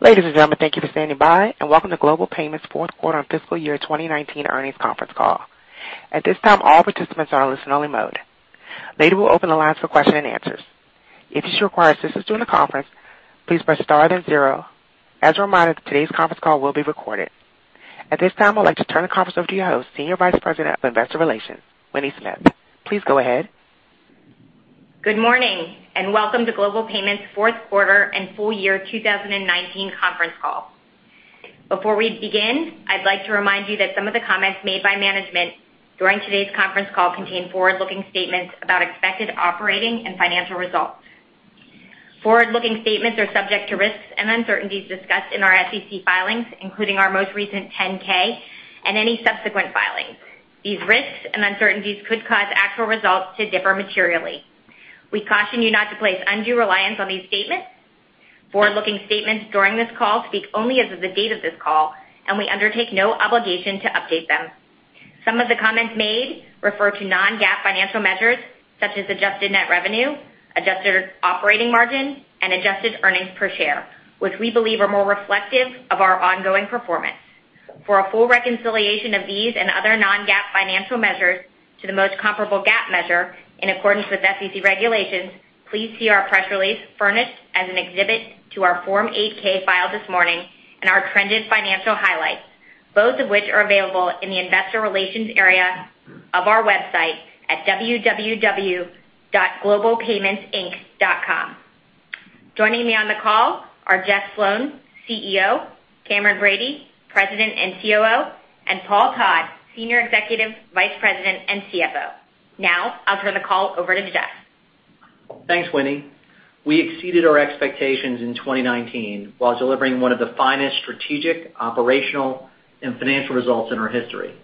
Ladies and gentlemen, thank you for standing by, and welcome to Global Payments' Fourth Quarter and Fiscal Year 2019 Earnings Conference Call. At this time, all participants are in listen-only mode. Later, we'll open the lines for question and answers. If you should require assistance during the conference, please press star then zero. As a reminder, today's conference call will be recorded. At this time, I would like to turn the conference over to your host, Senior Vice President of Investor Relations, Winnie Smith. Please go ahead. Good morning, welcome to Global Payments' fourth quarter and full year 2019 conference call. Before we begin, I'd like to remind you that some of the comments made by management during today's conference call contain forward-looking statements about expected operating and financial results. Forward-looking statements are subject to risks and uncertainties discussed in our SEC filings, including our most recent 10-K and any subsequent filings. These risks and uncertainties could cause actual results to differ materially. We caution you not to place undue reliance on these statements. Forward-looking statements during this call speak only as of the date of this call, and we undertake no obligation to update them. Some of the comments made refer to non-GAAP financial measures such as adjusted net revenue, adjusted operating margin, and adjusted earnings per share, which we believe are more reflective of our ongoing performance. For a full reconciliation of these and other non-GAAP financial measures to the most comparable GAAP measure in accordance with SEC regulations, please see our press release furnished as an exhibit to our Form 8-K filed this morning and our trended financial highlights, both of which are available in the investor relations area of our website at www.globalpaymentsinc.com. Joining me on the call are Jeff Sloan, CEO, Cameron Bready, President and COO, and Paul Todd, Senior Executive Vice President and CFO. Now I'll turn the call over to Jeff Sloan. Thanks, Winnie Smith. We exceeded our expectations in 2019 while delivering one of the finest strategic, operational, and financial results in our history.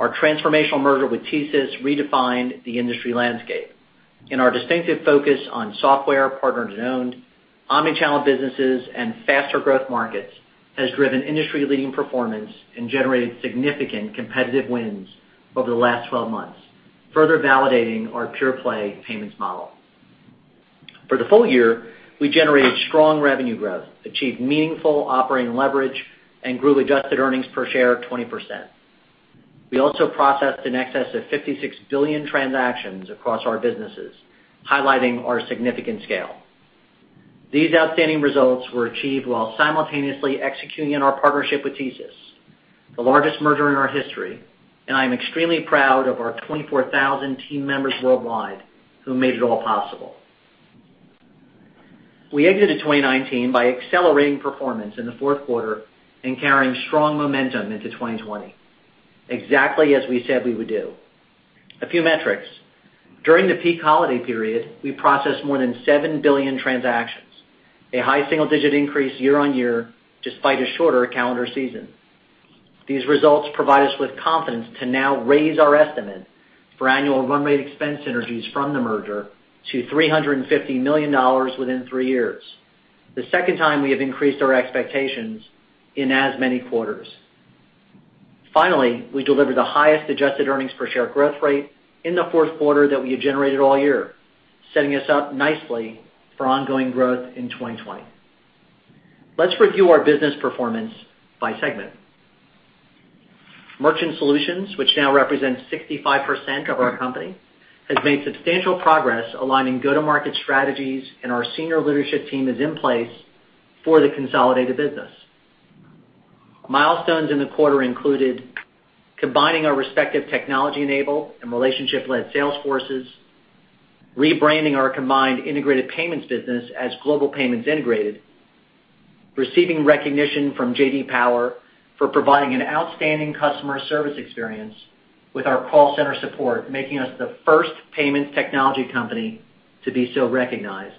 Our transformational merger with TSYS redefined the industry landscape, and our distinctive focus on software, partner- and owned omni-channel businesses, and faster growth markets has driven industry-leading performance and generated significant competitive wins over the last 12 months, further validating our pure-play payments model. For the full year, we generated strong revenue growth, achieved meaningful operating leverage, and grew adjusted earnings per share 20%. We also processed in excess of 56 billion transactions across our businesses, highlighting our significant scale. These outstanding results were achieved while simultaneously executing on our partnership with TSYS, the largest merger in our history, and I am extremely proud of our 24,000 team members worldwide who made it all possible. We exited 2019 by accelerating performance in the fourth quarter and carrying strong momentum into 2020, exactly as we said we would do. A few metrics. During the peak holiday period, we processed more than 7 billion transactions, a high single-digit increase year-on-year, despite a shorter calendar season. These results provide us with confidence to now raise our estimate for annual run rate expense synergies from the merger to $350 million within three years, the second time we have increased our expectations in as many quarters. Finally, we delivered the highest adjusted earnings per share growth rate in the fourth quarter that we had generated all year, setting us up nicely for ongoing growth in 2020. Let's review our business performance by segment. Merchant Solutions, which now represents 65% of our company, has made substantial progress aligning go-to-market strategies, and our senior leadership team is in place for the consolidated business. Milestones in the quarter included combining our respective technology-enabled and relationship-led sales forces, rebranding our combined integrated payments business as Global Payments Integrated, receiving recognition from JD Power for providing an outstanding customer service experience with our call center support, making us the first payments technology company to be so recognized,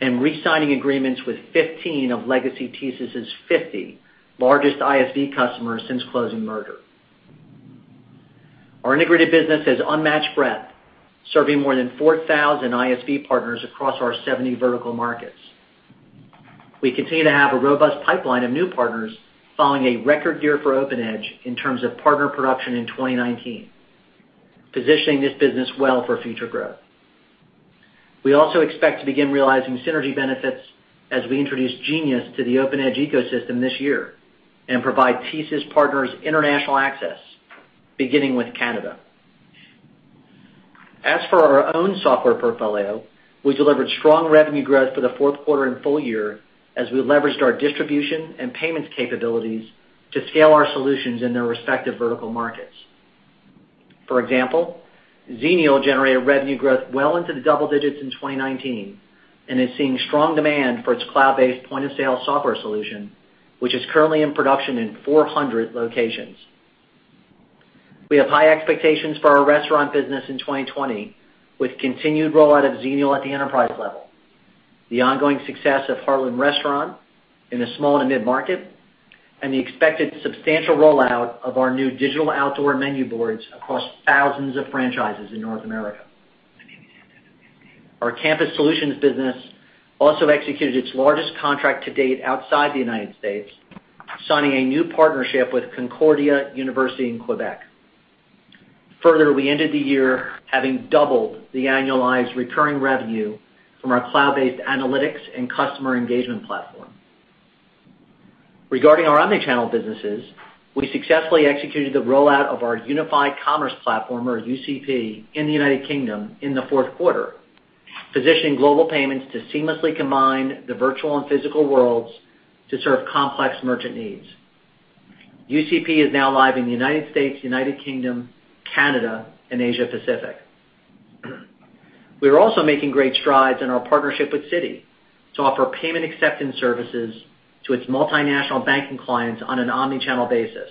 and re-signing agreements with 15 of legacy TSYS's 50 largest ISV customers since closing merger. Our integrated business has unmatched breadth, serving more than 4,000 ISV partners across our 70 vertical markets. We continue to have a robust pipeline of new partners following a record year for OpenEdge in terms of partner production in 2019, positioning this business well for future growth. We also expect to begin realizing synergy benefits as we introduce Genius to the OpenEdge ecosystem this year and provide TSYS partners international access, beginning with Canada. As for our own software portfolio, we delivered strong revenue growth for the fourth quarter and full year as we leveraged our distribution and payments capabilities to scale our solutions in their respective vertical markets. For example, Xenial generated revenue growth well into the double digits in 2019 and is seeing strong demand for its cloud-based point-of-sale software solution, which is currently in production in 400 locations. We have high expectations for our restaurant business in 2020 with continued rollout of Xenial at the enterprise level, the ongoing success of Heartland Restaurant in the small and mid-market, and the expected substantial rollout of our new digital outdoor menu boards across thousands of franchises in North America. Our campus solutions business also executed its largest contract to date outside the United States, signing a new partnership with Concordia University in Quebec. We ended the year having doubled the annualized recurring revenue from our cloud-based analytics and customer engagement platform. Regarding our omni-channel businesses, we successfully executed the rollout of the Unified Commerce Platform, or UCP, in the United Kingdom in the fourth quarter, positioning Global Payments to seamlessly combine the virtual and physical worlds to serve complex merchant needs. UCP is now live in the United States, United Kingdom, Canada, and Asia Pacific. We are also making great strides in our partnership with Citi to offer payment acceptance services to its multinational banking clients on an omni-channel basis.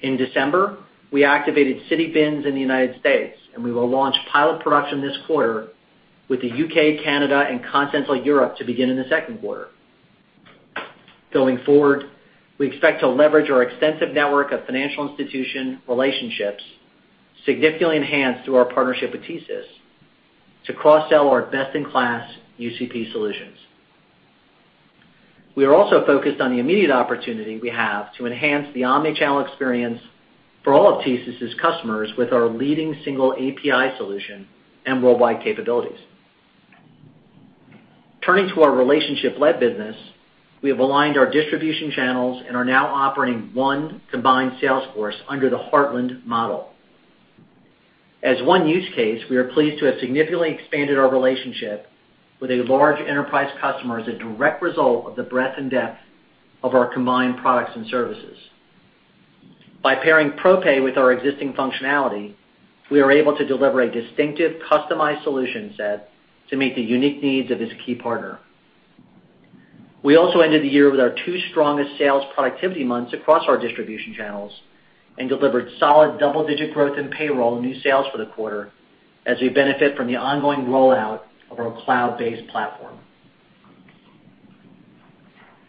In December, we activated Citi BINs in the United States, and we will launch pilot production this quarter with the U.K., Canada, and Continental Europe to begin in the second quarter. Going forward, we expect to leverage our extensive network of financial institution relationships, significantly enhanced through our partnership with TSYS, to cross-sell our best-in-class UCP solutions. We are also focused on the immediate opportunity we have to enhance the omni-channel experience for all of TSYS' customers with our leading single API solution and worldwide capabilities. Turning to our relationship-led business, we have aligned our distribution channels and are now operating one combined sales force under the Heartland model. As one use case, we are pleased to have significantly expanded our relationship with a large enterprise customer as a direct result of the breadth and depth of our combined products and services. By pairing ProPay with our existing functionality, we are able to deliver a distinctive customized solution set to meet the unique needs of this key partner. We also ended the year with our two strongest sales productivity months across our distribution channels and delivered solid double-digit growth in payroll and new sales for the quarter as we benefit from the ongoing rollout of our cloud-based platform.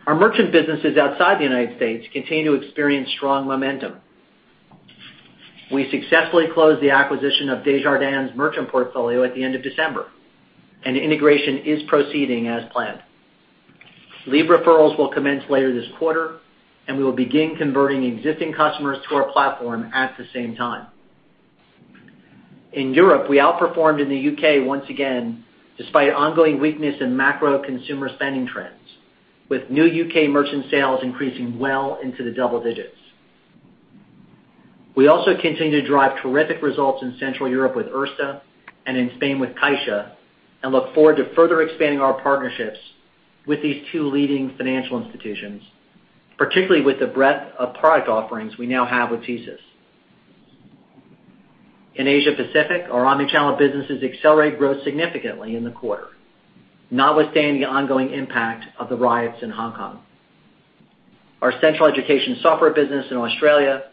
Our merchant businesses outside the United States continue to experience strong momentum. We successfully closed the acquisition of Desjardins merchant portfolio at the end of December, and integration is proceeding as planned. Lead referrals will commence later this quarter, and we will begin converting existing customers to our platform at the same time. In Europe, we outperformed in the U.K. once again, despite ongoing weakness in macro consumer spending trends, with new U.K. merchant sales increasing well into the double digits. We also continue to drive terrific results in Central Europe with Erste and in Spain with CaixaBank, and look forward to further expanding our partnerships with these two leading financial institutions, particularly with the breadth of product offerings we now have with TSYS. In Asia Pacific, our omni-channel businesses accelerated growth significantly in the quarter, notwithstanding the ongoing impact of the riots in Hong Kong. Our central education software business in Australia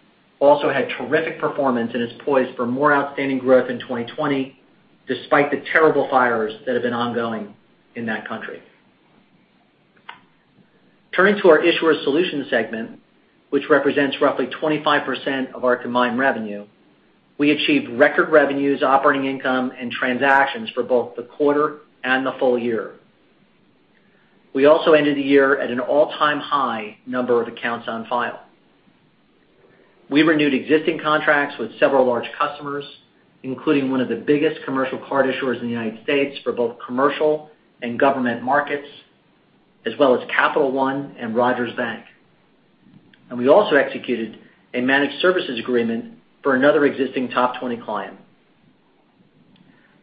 also had terrific performance and is poised for more outstanding growth in 2020, despite the terrible fires that have been ongoing in that country. Turning to our Issuer Solutions segment, which represents roughly 25% of our combined revenue, we achieved record revenues, operating income, and transactions for both the quarter and the full year. We also ended the year at an all-time high number of accounts on file. We renewed existing contracts with several large customers, including one of the biggest commercial card issuers in the United States for both commercial and government markets, as well as Capital One and Rogers Bank. We also executed a managed services agreement for another existing top 20 client.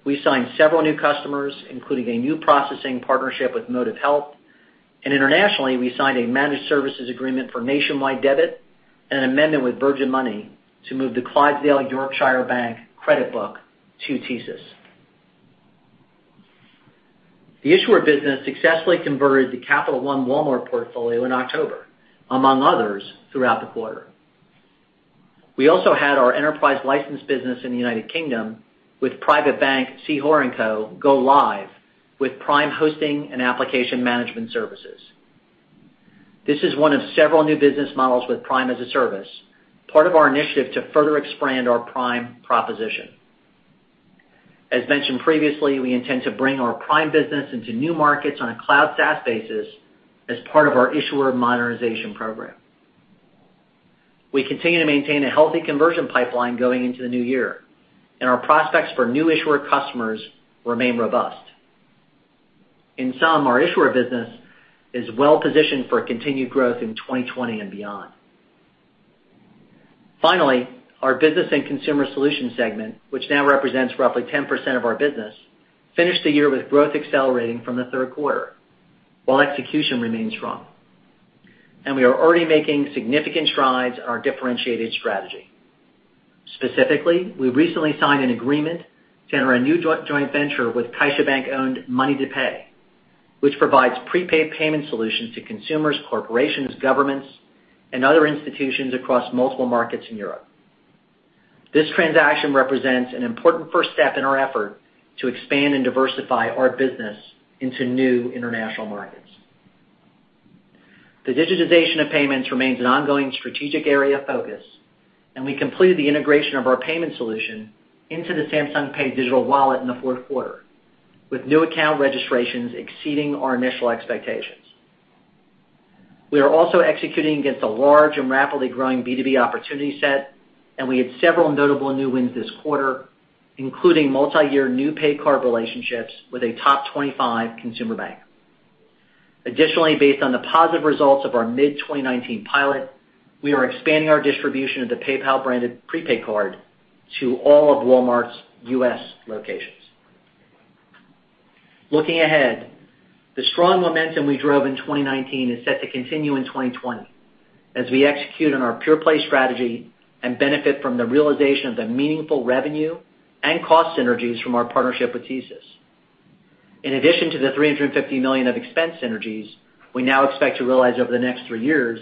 We signed several new customers, including a new processing partnership with Motive Health, and internationally, we signed a managed services agreement for Nationwide Debit, an amendment with Virgin Money to move the Clydesdale Yorkshire Bank credit book to TSYS. The issuer business successfully converted the Capital One Walmart portfolio in October, among others, throughout the quarter. We also had our enterprise license business in the United Kingdom with private bank, C. Hoare & Co, go live with Prime hosting and application management services. This is one of several new business models with Prime as a Service, part of our initiative to further expand our Prime proposition. As mentioned previously, we intend to bring our Prime business into new markets on a cloud SaaS basis as part of our Issuer Modernization Program. We continue to maintain a healthy conversion pipeline going into the new year, and our prospects for new issuer customers remain robust. In sum, our issuer business is well-positioned for continued growth in 2020 and beyond. Finally, our Business and Consumer Solutions segment, which now represents roughly 10% of our business, finished the year with growth accelerating from the third quarter while execution remained strong. We are already making significant strides in our differentiated strategy. Specifically, we recently signed an agreement to enter a new joint venture with CaixaBank-owned MoneyToPay, which provides prepaid payment solutions to consumers, corporations, governments, and other institutions across multiple markets in Europe. This transaction represents an important first step in our effort to expand and diversify our business into new international markets. The digitization of payments remains an ongoing strategic area of focus, and we completed the integration of our payment solution into the Samsung Pay digital wallet in the fourth quarter with new account registrations exceeding our initial expectations. We are also executing against a large and rapidly growing B2B opportunity set, and we had several notable new wins this quarter, including multi-year new pay card relationships with a top 25 consumer bank. Additionally, based on the positive results of our mid-2019 pilot, we are expanding our distribution of the PayPal-branded prepaid card to all of Walmart's U.S. locations. Looking ahead, the strong momentum we drove in 2019 is set to continue in 2020 as we execute on our pure-play strategy and benefit from the realization of the meaningful revenue and cost synergies from our partnership with TSYS. In addition to the $350 million of expense synergies we now expect to realize over the next three years,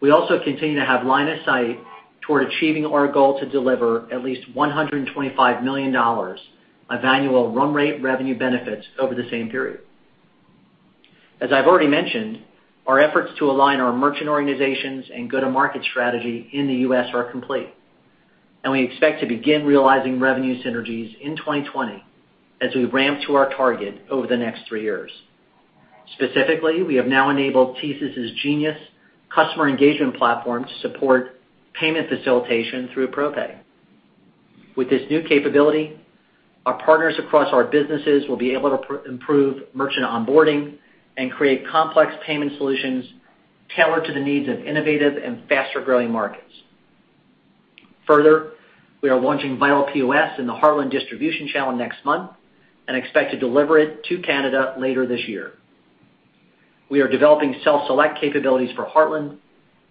we also continue to have line of sight toward achieving our goal to deliver at least $125 million of annual run rate revenue benefits over the same period. As I've already mentioned, our efforts to align our merchant organizations and go-to-market strategy in the U.S. are complete, and we expect to begin realizing revenue synergies in 2020 as we ramp to our target over the next three years. Specifically, we have now enabled TSYS's Genius customer engagement platform to support payment facilitation through ProPay. With this new capability, our partners across our businesses will be able to improve merchant onboarding and create complex payment solutions tailored to the needs of innovative and faster-growing markets. Further, we are launching Vital POS in the Heartland distribution channel next month and expect to deliver it to Canada later this year. We are developing self-select capabilities for Heartland,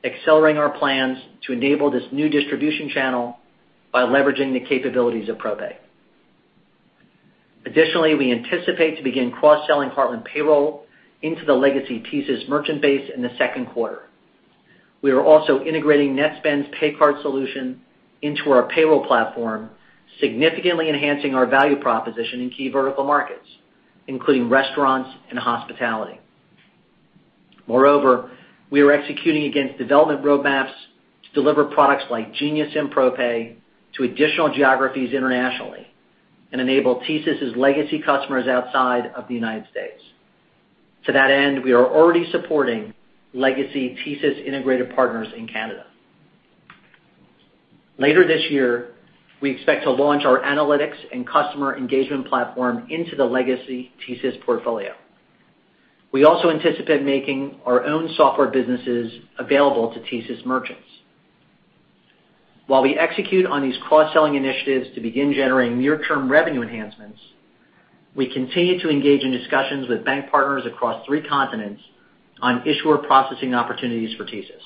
accelerating our plans to enable this new distribution channel by leveraging the capabilities of ProPay. Additionally, we anticipate to begin cross-selling Heartland payroll into the legacy TSYS merchant base in the second quarter. We are also integrating Netspend's pay card solution into our payroll platform, significantly enhancing our value proposition in key vertical markets, including restaurants and hospitality. Moreover, we are executing against development roadmaps to deliver products like Genius and ProPay to additional geographies internationally and enable TSYS' legacy customers outside of the United States. To that end, we are already supporting legacy TSYS integrated partners in Canada. Later this year, we expect to launch our analytics and customer engagement platform into the legacy TSYS portfolio. We also anticipate making our own software businesses available to TSYS merchants. While we execute on these cross-selling initiatives to begin generating near-term revenue enhancements, we continue to engage in discussions with bank partners across three continents on Issuer Solutions opportunities for TSYS.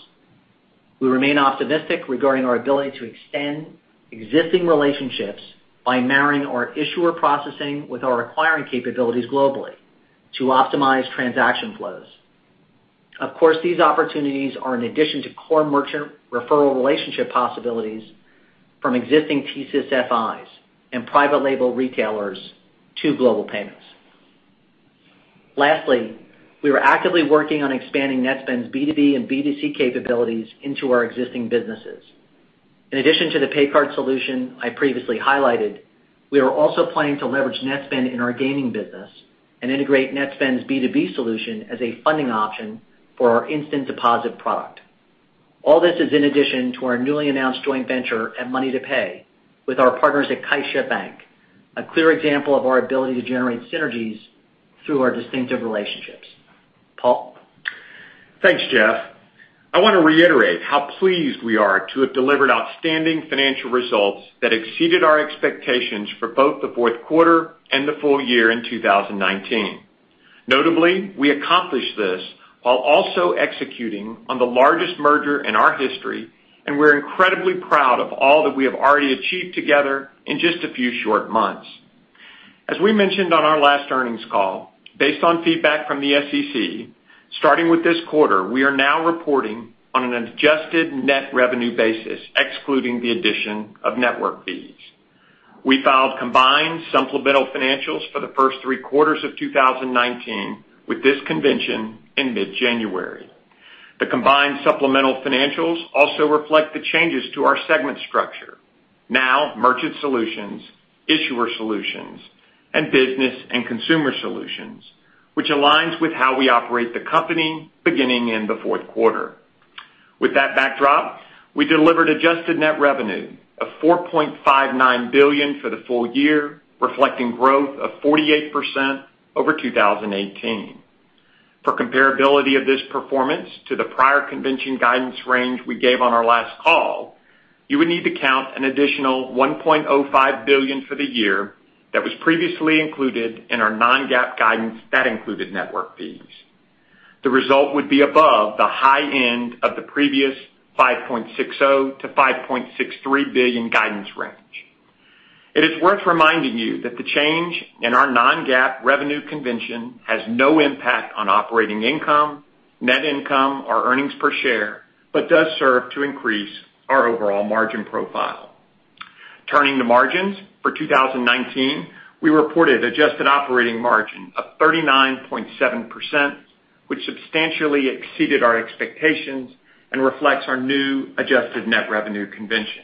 We remain optimistic regarding our ability to extend existing relationships by marrying our issuer processing with our acquiring capabilities globally to optimize transaction flows. Of course, these opportunities are in addition to core merchant referral relationship possibilities from existing TSYS FIs and private label retailers to Global Payments. Lastly, we are actively working on expanding Netspend's B2B and B2C capabilities into our existing businesses. In addition to the pay card solution I previously highlighted, we are also planning to leverage Netspend in our gaming business and integrate Netspend's B2B solution as a funding option for our instant deposit product. All this is in addition to our newly announced joint venture at MoneyToPay with our partners at CaixaBank, a clear example of our ability to generate synergies through our distinctive relationships. Paul Todd? Thanks, Jeff Sloan. I want to reiterate how pleased we are to have delivered outstanding financial results that exceeded our expectations for both the fourth quarter and the full year in 2019. Notably, we accomplished this while also executing on the largest merger in our history, and we're incredibly proud of all that we have already achieved together in just a few short months. As we mentioned on our last earnings call, based on feedback from the SEC, starting with this quarter, we are now reporting on an adjusted net revenue basis, excluding the addition of network fees. We filed combined supplemental financials for the first three quarters of 2019 with this convention in mid-January. The combined supplemental financials also reflect the changes to our segment structure, now Merchant Solutions, Issuer Solutions, and Business and Consumer Solutions, which aligns with how we operate the company beginning in the fourth quarter. With that backdrop, we delivered adjusted net revenue of $4.59 billion for the full year, reflecting growth of 48% over 2018. For comparability of this performance to the prior convention guidance range we gave on our last call, you would need to count an additional $1.05 billion for the year that was previously included in our non-GAAP guidance that included network fees. The result would be above the high end of the previous $5.60 billion-$5.63 billion guidance range. It is worth reminding you that the change in our non-GAAP revenue convention has no impact on operating income, net income, or earnings per share, but does serve to increase our overall margin profile. Turning to margins, for 2019, we reported adjusted operating margin of 39.7%, which substantially exceeded our expectations and reflects our new adjusted net revenue convention.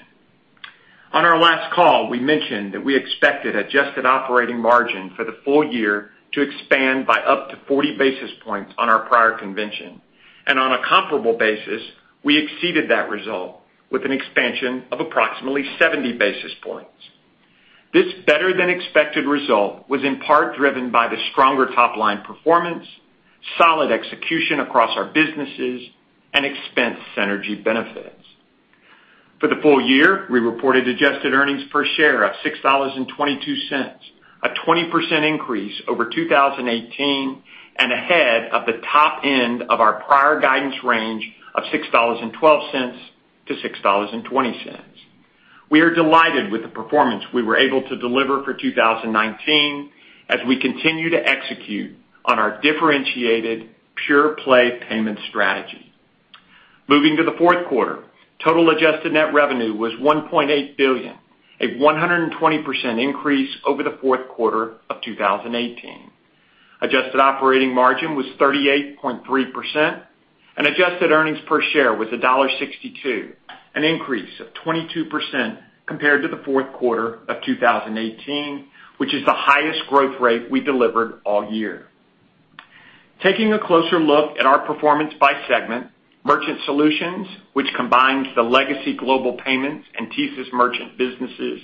On our last call, we mentioned that we expected adjusted operating margin for the full year to expand by up to 40 basis points on our prior convention. On a comparable basis, we exceeded that result with an expansion of approximately 70 basis points. This better-than-expected result was in part driven by the stronger top-line performance, solid execution across our businesses, and expense synergy benefits. For the full year, we reported adjusted earnings per share of $6.22, a 20% increase over 2018, and ahead of the top end of our prior guidance range of $6.12-$6.20. We are delighted with the performance we were able to deliver for 2019 as we continue to execute on our differentiated pure-play payment strategy. Moving to the fourth quarter, total adjusted net revenue was $1.8 billion, a 120% increase over the fourth quarter of 2018. Adjusted operating margin was 38.3%, and adjusted earnings per share was $1.62, an increase of 22% compared to the fourth quarter of 2018, which is the highest growth rate we delivered all year. Taking a closer look at our performance by segment, Merchant Solutions, which combines the legacy Global Payments and TSYS merchant businesses,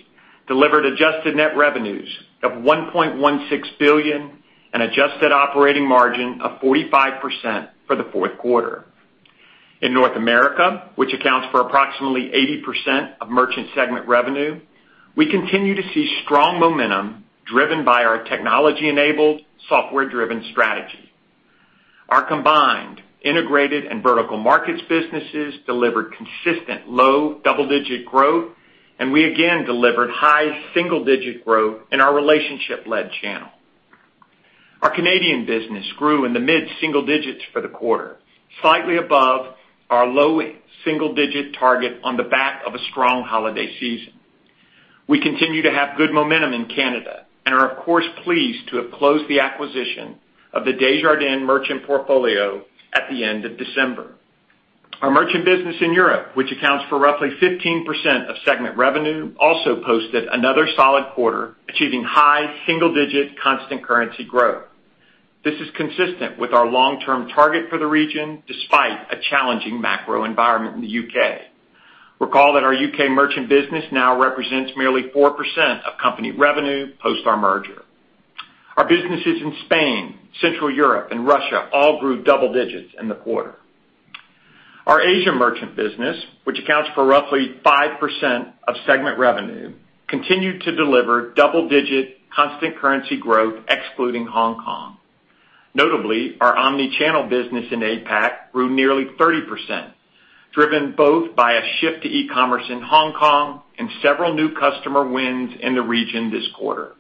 delivered adjusted net revenues of $1.16 billion and adjusted operating margin of 45% for the fourth quarter. In North America, which accounts for approximately 80% of merchant segment revenue, we continue to see strong momentum driven by our technology-enabled, software-driven strategy. Our combined integrated and vertical markets businesses delivered consistent low double-digit growth, and we again delivered high single-digit growth in our relationship-led channel. Our Canadian business grew in the mid-single digits for the quarter, slightly above our low single-digit target on the back of a strong holiday season. We continue to have good momentum in Canada and are of course pleased to have closed the acquisition of the Desjardins merchant portfolio at the end of December. Our merchant business in Europe, which accounts for roughly 15% of segment revenue, also posted another solid quarter, achieving high single-digit constant currency growth. This is consistent with our long-term target for the region, despite a challenging macro environment in the U.K. Recall that our U.K. merchant business now represents merely 4% of company revenue post our merger. Our businesses in Spain, Central Europe, and Russia all grew double digits in the quarter. Our Asia merchant business, which accounts for roughly 5% of segment revenue, continued to deliver double-digit constant currency growth excluding Hong Kong. Notably, our omni-channel business in APAC grew nearly 30%, driven both by a shift to e-commerce in Hong Kong and several new customer wins in the region this quarter.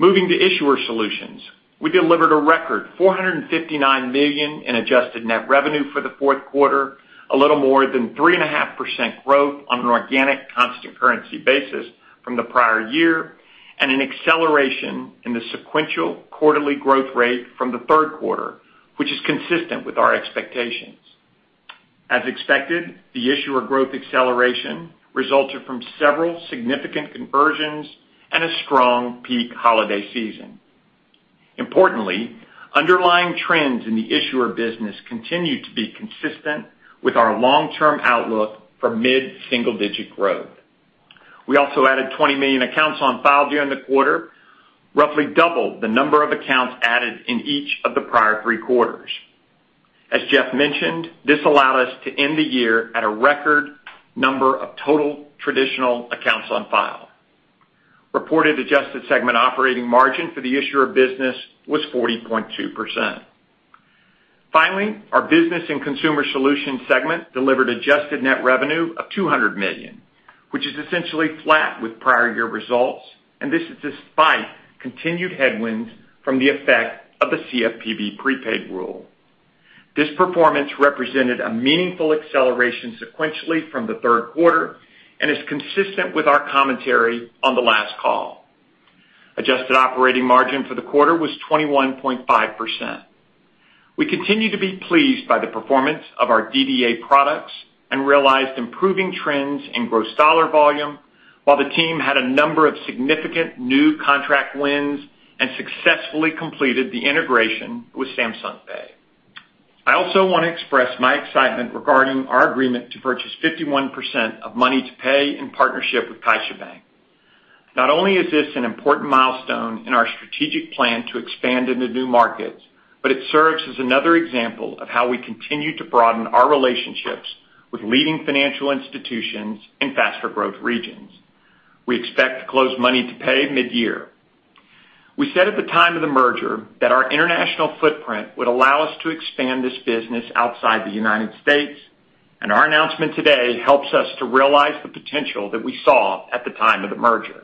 Moving to Issuer Solutions, we delivered a record $459 million in adjusted net revenue for the fourth quarter, a little more than 3.5% growth on an organic constant currency basis from the prior year, and an acceleration in the sequential quarterly growth rate from the third quarter, which is consistent with our expectations. As expected, the issuer growth acceleration resulted from several significant conversions and a strong peak holiday season. Importantly, underlying trends in the issuer business continued to be consistent with our long-term outlook for mid-single-digit growth. We also added 20 million accounts on file during the quarter, roughly double the number of accounts added in each of the prior three quarters. As Jeff Sloan mentioned, this allowed us to end the year at a record number of total traditional accounts on file. Reported adjusted segment operating margin for the Issuer Solutions was 40.2%. Finally, our Business and Consumer Solutions segment delivered adjusted net revenue of $200 million, which is essentially flat with prior year results, and this is despite continued headwinds from the effect of the CFPB prepaid rule. This performance represented a meaningful acceleration sequentially from the third quarter and is consistent with our commentary on the last call. Adjusted operating margin for the quarter was 21.5%. We continue to be pleased by the performance of our DDA products and realized improving trends in gross dollar volume, while the team had a number of significant new contract wins and successfully completed the integration with Samsung Pay. I also want to express my excitement regarding our agreement to purchase 51% of MoneyToPay in partnership with CaixaBank. Not only is this an important milestone in our strategic plan to expand into new markets, but it serves as another example of how we continue to broaden our relationships with leading financial institutions in faster growth regions. We expect to close MoneyToPay mid-year. We said at the time of the merger that our international footprint would allow us to expand this business outside the United States, and our announcement today helps us to realize the potential that we saw at the time of the merger.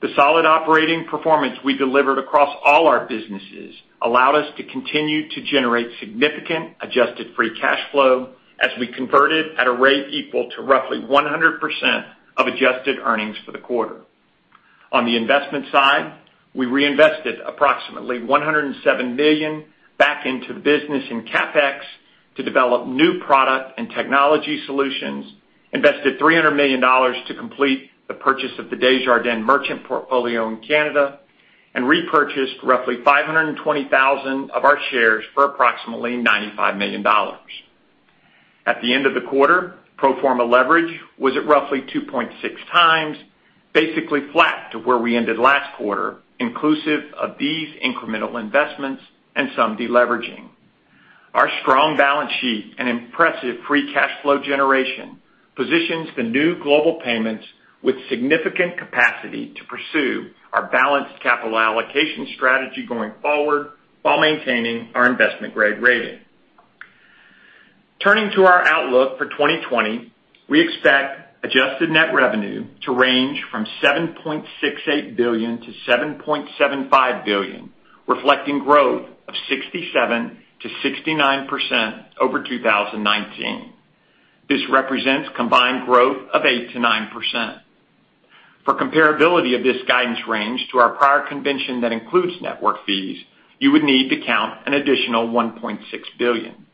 The solid operating performance we delivered across all our businesses allowed us to continue to generate significant adjusted free cash flow as we converted at a rate equal to roughly 100% of adjusted earnings for the quarter. On the investment side, we reinvested approximately $107 million back into the business in CapEx to develop new product and technology solutions, invested $300 million to complete the purchase of the Desjardins merchant portfolio in Canada, and repurchased roughly 520,000 of our shares for approximately $95 million. At the end of the quarter, pro forma leverage was at roughly 2.6x, basically flat to where we ended last quarter, inclusive of these incremental investments and some deleveraging. Our strong balance sheet and impressive free cash flow generation positions the new Global Payments with significant capacity to pursue our balanced capital allocation strategy going forward while maintaining our investment-grade rating. Turning to our outlook for 2020, we expect adjusted net revenue to range from $7.68 billion to $7.75 billion, reflecting growth of 67%-69% over 2019. This represents combined growth of 8%-9%. For comparability of this guidance range to our prior convention that includes network fees, you would need to count an additional $1.6 billion.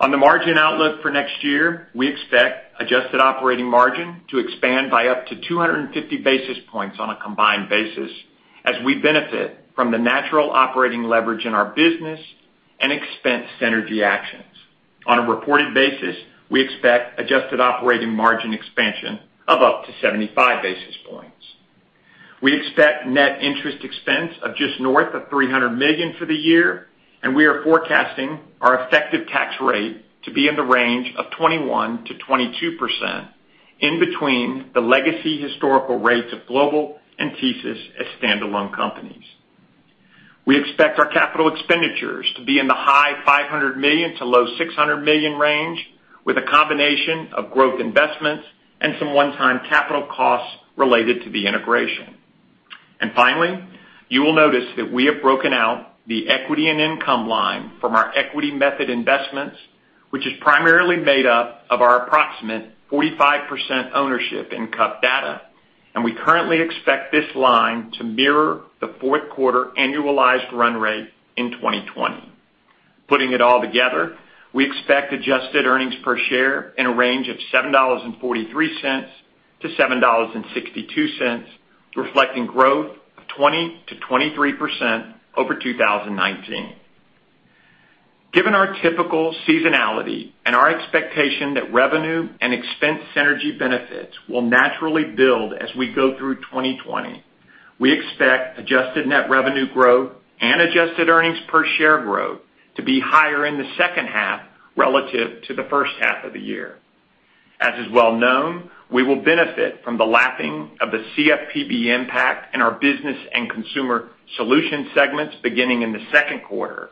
On the margin outlook for next year, we expect adjusted operating margin to expand by up to 250 basis points on a combined basis as we benefit from the natural operating leverage in our business and expense synergy actions. On a reported basis, we expect adjusted operating margin expansion of up to 75 basis points. We expect net interest expense of just north of $300 million for the year. We are forecasting our effective tax rate to be in the range of 21%-22% in between the legacy historical rates of Global and TSYS as standalone companies. We expect our capital expenditures to be in the high $500 million to low $600 million range, with a combination of growth investments and some one-time capital costs related to the integration. Finally, you will notice that we have broken out the equity and income line from our equity method investments, which is primarily made up of our approximate 45% ownership in CUP Data. We currently expect this line to mirror the fourth quarter annualized run rate in 2020. Putting it all together, we expect adjusted earnings per share in a range of $7.43-$7.62, reflecting growth of 20%-23% over 2019. Given our typical seasonality and our expectation that revenue and expense synergy benefits will naturally build as we go through 2020, we expect adjusted net revenue growth and adjusted earnings per share growth to be higher in the second half relative to the first half of the year. As is well known, we will benefit from the lapping of the CFPB impact in our Business and Consumer Solutions segments beginning in the second quarter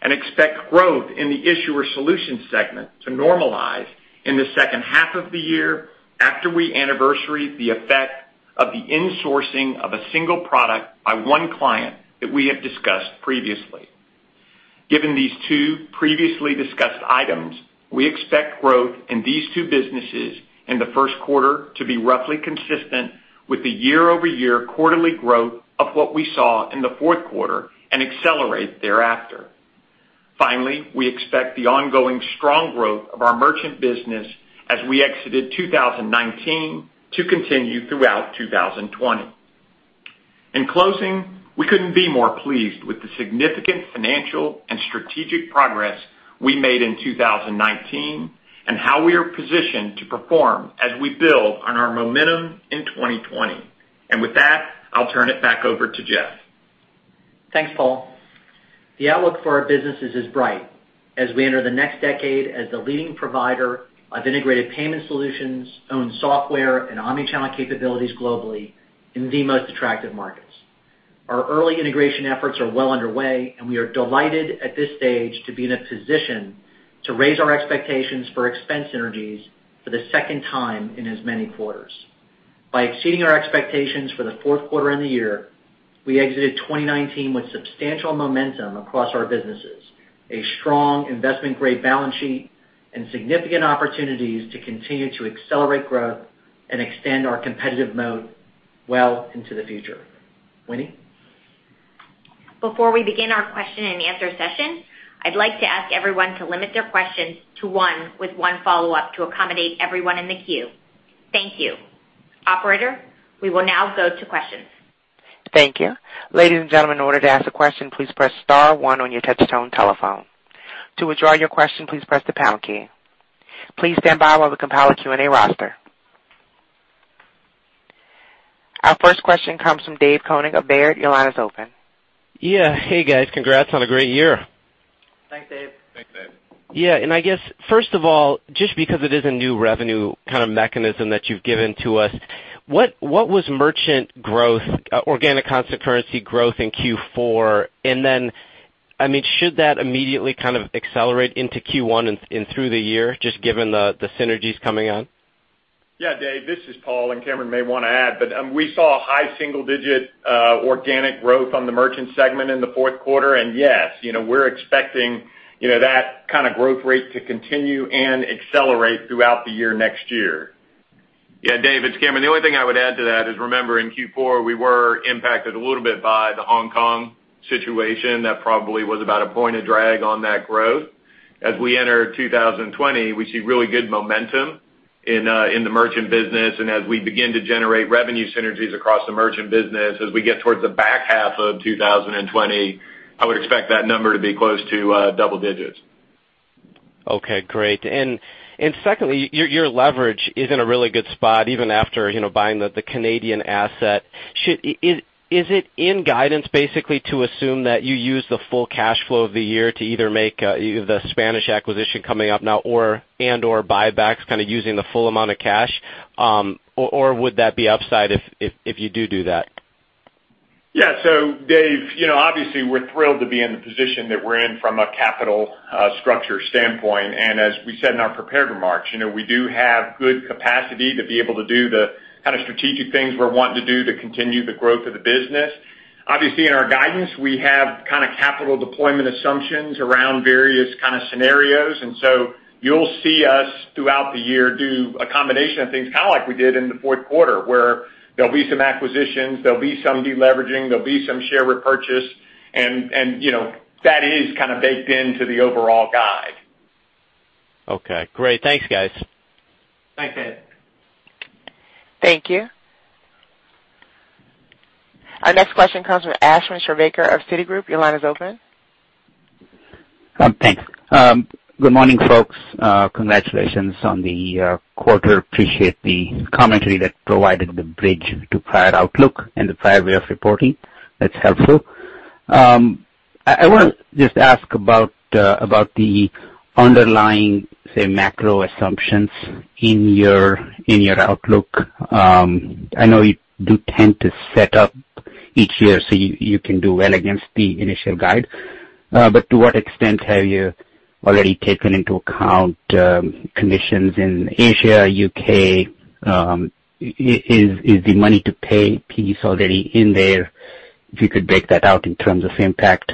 and expect growth in the Issuer Solutions segment to normalize in the second half of the year after we anniversary the effect of the insourcing of a single product by one client that we have discussed previously. Given these two previously discussed items, we expect growth in these two businesses in the first quarter to be roughly consistent with the year-over-year quarterly growth of what we saw in the fourth quarter and accelerate thereafter. Finally, we expect the ongoing strong growth of our merchant business as we exited 2019 to continue throughout 2020. In closing, we couldn't be more pleased with the significant financial and strategic progress we made in 2019 and how we are positioned to perform as we build on our momentum in 2020. With that, I'll turn it back over to Jeff Sloan. Thanks, Paul Todd. The outlook for our businesses is bright as we enter the next decade as the leading provider of integrated payment solutions, owned software, and omni-channel capabilities globally in the most attractive markets. Our early integration efforts are well underway, and we are delighted at this stage to be in a position to raise our expectations for expense synergies for the second time in as many quarters. By exceeding our expectations for the fourth quarter and the year, we exited 2019 with substantial momentum across our businesses, a strong investment-grade balance sheet, and significant opportunities to continue to accelerate growth and extend our competitive mode well into the future. Winnie Smith? Before we begin our question-and-answer session, I'd like to ask everyone to limit their questions to one with one follow-up to accommodate everyone in the queue. Thank you. Operator, we will now go to questions. Thank you. Ladies and gentlemen, in order to ask a question, please press star one on your touch-tone telephone. To withdraw your question, please press the pound key. Please stand by while we compile a Q&A roster. Our first question comes from David Koning of Baird. Your line is open. Yeah. Hey, guys. Congrats on a great year. Thanks, David Koning. Thanks, David Koning. Yeah. I guess, first of all, just because it is a new revenue kind of mechanism that you've given to us, what was merchant growth, organic constant currency growth in Q4? Then, should that immediately kind of accelerate into Q1 and through the year, just given the synergies coming on? Yeah, David Koning, this is Paul Todd, and Cameron Bready may want to add, but we saw a high single-digit organic growth on the merchant segment in the fourth quarter. Yes, we're expecting that kind of growth rate to continue and accelerate throughout the year next year. Yeah, David Koning, it's Cameron Bready. The only thing I would add to that is, remember, in Q4, we were impacted a little bit by the Hong Kong situation. That probably was about a point of drag on that growth. As we enter 2020, we see really good momentum in the merchant business, and as we begin to generate revenue synergies across the merchant business, as we get towards the back half of 2020, I would expect that number to be close to double digits. Okay, great. Secondly, your leverage is in a really good spot even after buying the Canadian asset. Is it in guidance, basically, to assume that you use the full cash flow of the year to either make the Spanish acquisition coming up now and/or buybacks, kind of using the full amount of cash? Or would that be upside if you do that? Yeah. David Koning, obviously, we're thrilled to be in the position that we're in from a capital structure standpoint. As we said in our prepared remarks, we do have good capacity to be able to do the kind of strategic things we're wanting to do to continue the growth of the business. Obviously, in our guidance, we have kind of capital deployment assumptions around various kind of scenarios. You'll see us throughout the year do a combination of things, kind of like we did in the fourth quarter, where there'll be some acquisitions, there'll be some de-leveraging, there'll be some share repurchase, and that is kind of baked into the overall guide. Okay, great. Thanks, guys. Thanks, David Koning. Thank you. Our next question comes from Ashwin Shirvaikar of Citigroup. Your line is open. Thanks. Good morning, folks. Congratulations on the quarter. Appreciate the commentary that provided the bridge to prior outlook and the prior way of reporting. That's helpful. I want to just ask about the underlying, say, macro assumptions in your outlook. I know you do tend to set up each year so you can do well against the initial guide, but to what extent have you already taken into account conditions in Asia, U.K.? Is the MoneyToPay piece already in there? If you could break that out in terms of impact.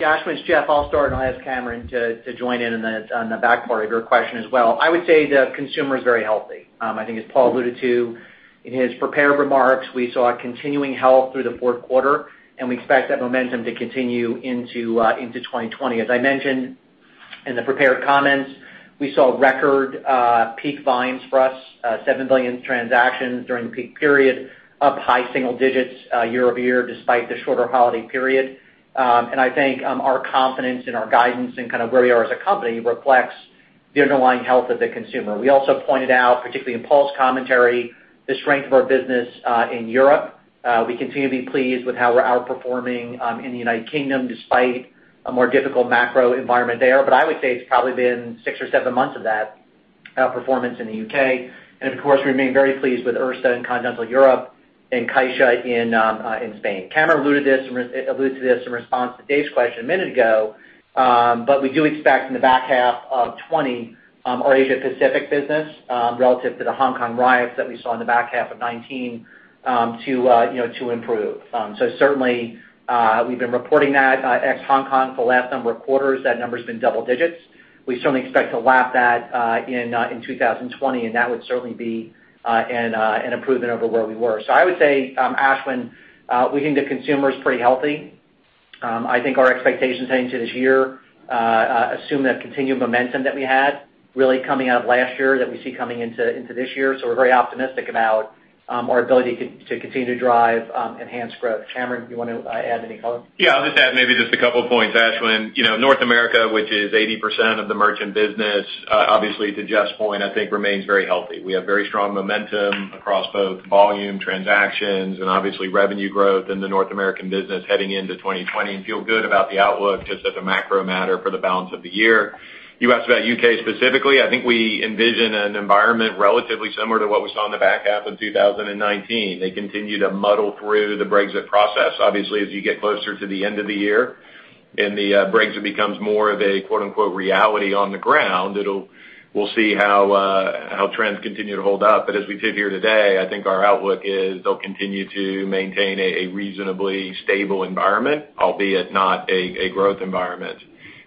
Ashwin Shirvaikar, it's Jeff Sloan. I'll start, and I'll ask Cameron Bready to join in on the back part of your question as well. I would say the consumer is very healthy. I think as Paul Todd alluded to in his prepared remarks, we saw a continuing health through the fourth quarter, and we expect that momentum to continue into 2020. As I mentioned in the prepared comments, we saw record peak volumes for us, $7 billion transactions during the peak period, up high single digits year-over-year despite the shorter holiday period. I think our confidence in our guidance and kind of where we are as a company reflects the underlying health of the consumer. We also pointed out, particularly in Paul Todd's commentary, the strength of our business in Europe. We continue to be pleased with how we're outperforming in the United Kingdom despite a more difficult macro environment there. I would say it's probably been six or seven months of that outperformance in the U.K. Of course, we remain very pleased with Erste in Continental Europe and Caixa in Spain. Cameron Bready alluded to this in response to David Koning's question a minute ago, but we do expect in the back half of 2020, our Asia Pacific business, relative to the Hong Kong riots that we saw in the back half of 2019, to improve. Certainly, we've been reporting that ex Hong Kong for the last number of quarters. That number's been double digits. We certainly expect to lap that in 2020, and that would certainly be an improvement over where we were. I would say, Ashwin Shirvaikar, we think the consumer is pretty healthy. I think our expectations heading into this year assume that continued momentum that we had really coming out of last year that we see coming into this year. We're very optimistic about our ability to continue to drive enhanced growth. Cameron Bready, you want to add any color? Yeah, I'll just add maybe just a couple points, Ashwin Shirvaikar. North America, which is 80% of the merchant business, obviously, to Jeff Sloan's point, I think remains very healthy. We have very strong momentum across both volume transactions and obviously revenue growth in the North American business heading into 2020 and feel good about the outlook just as a macro matter for the balance of the year. You asked about U.K. specifically. I think we envision an environment relatively similar to what we saw in the back half of 2019. They continue to muddle through the Brexit process. Obviously, as you get closer to the end of the year and the Brexit becomes more of a "reality" on the ground, we'll see how trends continue to hold up. As we sit here today, I think our outlook is they'll continue to maintain a reasonably stable environment, albeit not a growth environment.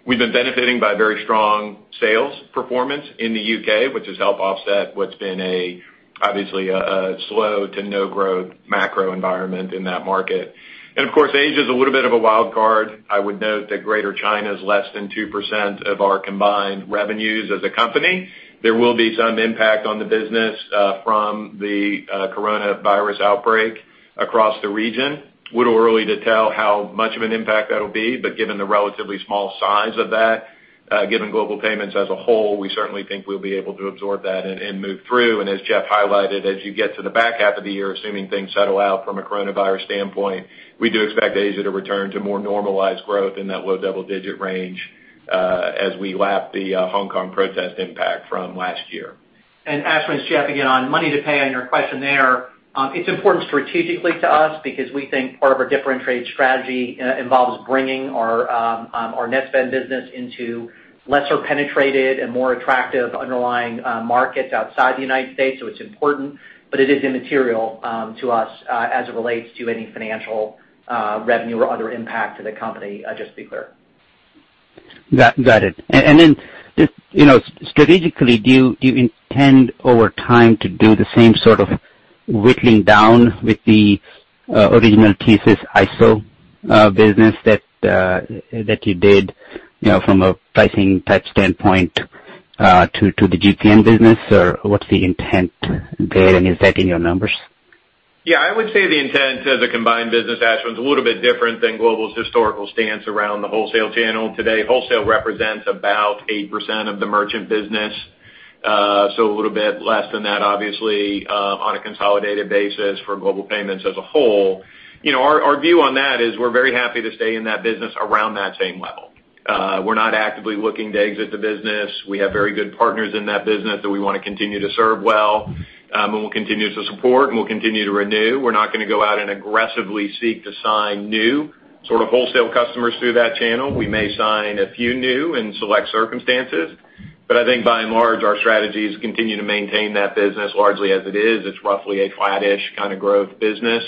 We've been benefiting by very strong sales performance in the U.K., which has helped offset what's been obviously a slow to no growth macro environment in that market. Of course, Asia's a little bit of a wild card. I would note that Greater China is less than 2% of our combined revenues as a company. There will be some impact on the business from the coronavirus outbreak across the region. Little early to tell how much of an impact that'll be, but given the relatively small size of that, given Global Payments as a whole, we certainly think we'll be able to absorb that and move through. As Jeff Sloan highlighted, as you get to the back half of the year, assuming things settle out from a coronavirus standpoint, we do expect Asia to return to more normalized growth in that low double-digit range as we lap the Hong Kong protest impact from last year. Ashwin Shirvaikar, it's Jeff Sloan again. On MoneyToPay, on your question there, it's important strategically to us because we think part of our differentiated strategy involves bringing our Netspend business into lesser penetrated and more attractive underlying markets outside the United States. It's important, but it is immaterial to us as it relates to any financial revenue or other impact to the company, just to be clear. Got it. Strategically, do you intend over time to do the same sort of whittling down with the original thesis ISO business that you did from a pricing type standpoint to the GPN business, or what's the intent there, and is that in your numbers? Yeah, I would say the intent as a combined business, Ashwin Shirvaikar, is a little bit different than Global's historical stance around the wholesale channel. Today, wholesale represents about 8% of the merchant business. A little bit less than that, obviously, on a consolidated basis for Global Payments as a whole. Our view on that is we're very happy to stay in that business around that same level. We're not actively looking to exit the business. We have very good partners in that business that we want to continue to serve well, and we'll continue to support and we'll continue to renew. We're not going to go out and aggressively seek to sign new sort of wholesale customers through that channel. We may sign a few new in select circumstances. I think by and large, our strategy is continue to maintain that business largely as it is. It's roughly a flattish kind of growth business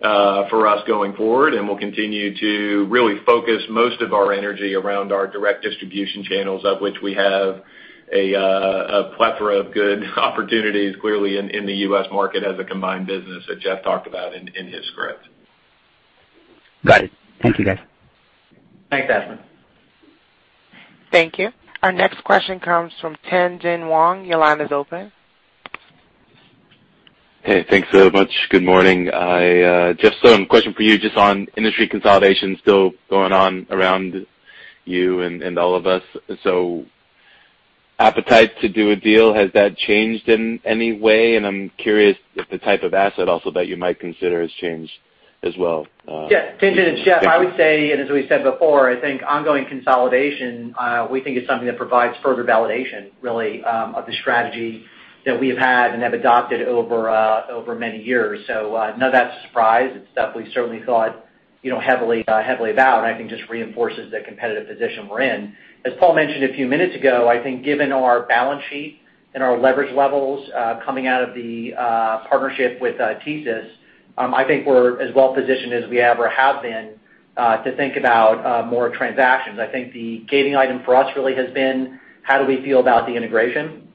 for us going forward, and we'll continue to really focus most of our energy around our direct distribution channels, of which we have a plethora of good opportunities clearly in the U.S. market as a combined business that Jeff Sloan talked about in his script. Got it. Thank you, guys. Thanks, Ashwin Shirvaikar. Thank you. Our next question comes from Tien-Tsin Huang. Your line is open. Hey, thanks so much. Good morning. Jeff Sloan, question for you just on industry consolidation still going on around you and all of us. Appetite to do a deal, has that changed in any way? I'm curious if the type of asset also that you might consider has changed as well. Yeah. Tien-Tsin Huang, it's Jeff Sloan. I would say, and as we said before, I think ongoing consolidation we think is something that provides further validation, really, of the strategy that we have had and have adopted over many years. None of that's a surprise. It's stuff we certainly thought heavily about, and I think just reinforces the competitive position we're in. As Paul Todd mentioned a few minutes ago, I think given our balance sheet and our leverage levels coming out of the partnership with TSYS, I think we're as well positioned as we ever have been to think about more transactions. I think the gating item for us really has been how do we feel about the integration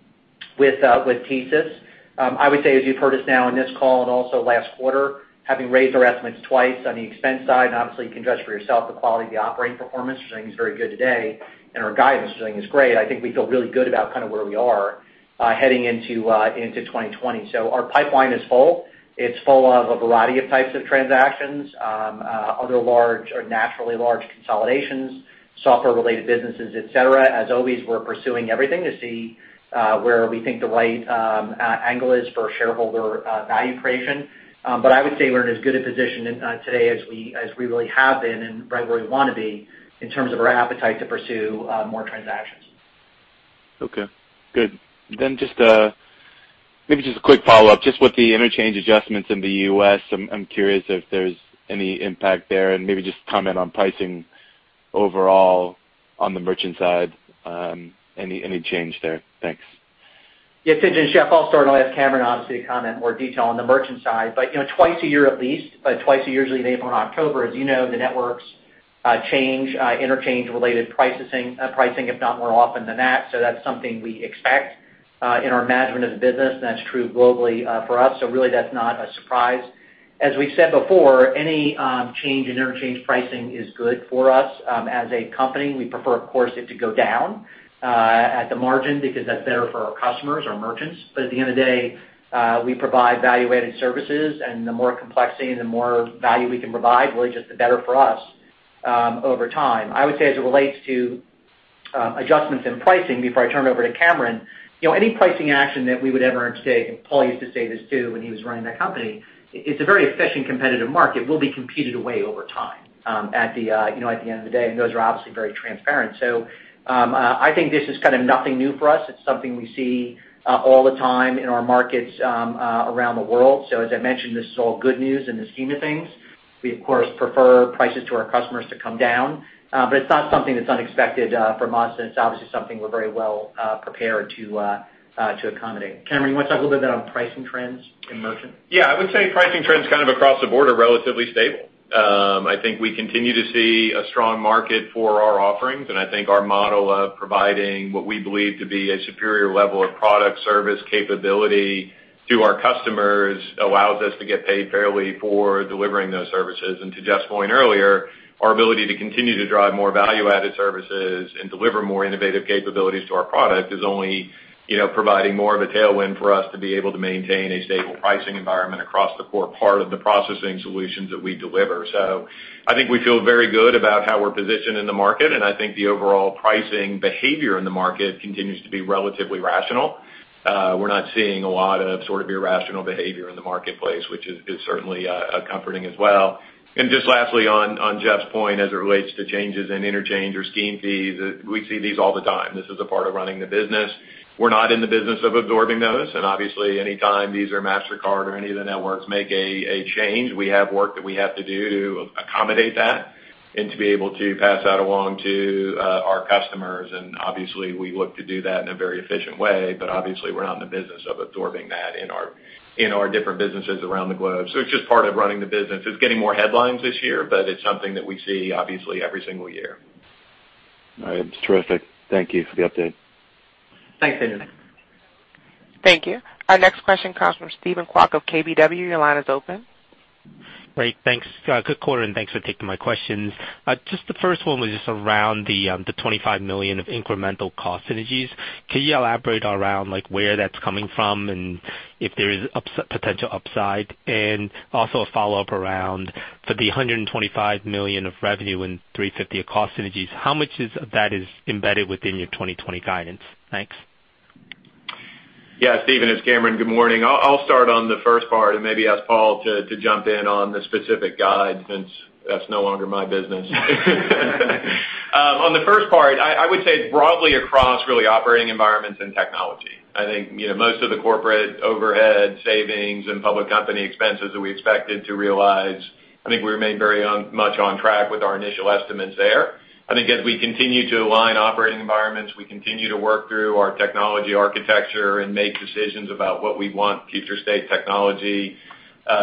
with TSYS? I would say, as you've heard us now on this call and also last quarter, having raised our estimates twice on the expense side, and obviously you can judge for yourself the quality of the operating performance, which I think is very good today, and our guidance, which I think is great. I think we feel really good about kind of where we are heading into 2020. Our pipeline is full. It's full of a variety of types of transactions other large or naturally large consolidations, software-related businesses, et cetera. As always, we're pursuing everything to see where we think the right angle is for shareholder value creation. I would say we're in as good a position today as we really have been and right where we want to be in terms of our appetite to pursue more transactions. Okay, good. Maybe just a quick follow-up, just with the interchange adjustments in the U.S., I'm curious if there's any impact there and maybe just comment on pricing overall on the merchant side. Any change there? Thanks. Tien-Tsin Huang, it's Jeff Sloan. I'll start and I'll ask Cameron Bready obviously to comment more detail on the Merchant Solutions side. Twice a year at least, twice a year, usually in April and October, as you know, the networks change interchange-related pricing if not more often than that. That's something we expect in our management of the business, and that's true globally for us. Really that's not a surprise. As we've said before, any change in interchange pricing is good for us as a company. We prefer, of course, it to go down at the margin because that's better for our customers, our merchants. At the end of the day, we provide value-added services and the more complexity and the more value we can provide, really just the better for us over time. I would say as it relates to adjustments in pricing before I turn it over to Cameron Bready, any pricing action that we would ever undertake, and Paul Todd used to say this too when he was running the company, it's a very efficient competitive market, will be competed away over time at the end of the day. Those are obviously very transparent. I think this is kind of nothing new for us. It's something we see all the time in our markets around the world. As I mentioned, this is all good news in the scheme of things. We, of course, prefer prices to our customers to come down. It's not something that's unexpected from us, and it's obviously something we're very well prepared to accommodate. Cameron Bready, you want to talk a little bit on pricing trends in merchant? I would say pricing trends kind of across the board are relatively stable. I think we continue to see a strong market for our offerings. I think our model of providing what we believe to be a superior level of product service capability to our customers allows us to get paid fairly for delivering those services. To Jeff Sloan's point earlier, our ability to continue to drive more value-added services and deliver more innovative capabilities to our product is only providing more of a tailwind for us to be able to maintain a stable pricing environment across the core part of the processing solutions that we deliver. I think we feel very good about how we're positioned in the market. I think the overall pricing behavior in the market continues to be relatively rational. We're not seeing a lot of sort of irrational behavior in the marketplace, which is certainly comforting as well. Just lastly on Jeff Sloan's point as it relates to changes in interchange or scheme fees, we see these all the time. This is a part of running the business. We're not in the business of absorbing those, obviously anytime Visa or Mastercard or any of the networks make a change, we have work that we have to do to accommodate that and to be able to pass that along to our customers. Obviously we look to do that in a very efficient way. Obviously we're not in the business of absorbing that in our different businesses around the globe. It's just part of running the business. It's getting more headlines this year, but it's something that we see obviously every single year. All right. Terrific. Thank you for the update. Thanks, Tien-Tsin Huang. Thank you. Our next question comes from Stephen Kwok of KBW. Your line is open. Great, thanks. Good quarter, and thanks for taking my questions. Just the first one was just around the $25 million of incremental cost synergies. Can you elaborate around like where that's coming from and if there is potential upside? Also a follow-up around for the $125 million of revenue and $350 million of cost synergies, how much of that is embedded within your 2020 guidance? Thanks. Yeah, Stephen Kwok, it's Cameron Bready. Good morning. I'll start on the first part and maybe ask Paul Todd to jump in on the specific guide since that's no longer my business. On the first part, I would say broadly across really operating environments and technology. I think most of the corporate overhead savings and public company expenses that we expected to realize, I think we remain very much on track with our initial estimates there. I think as we continue to align operating environments, we continue to work through our technology architecture and make decisions about what we want future state technology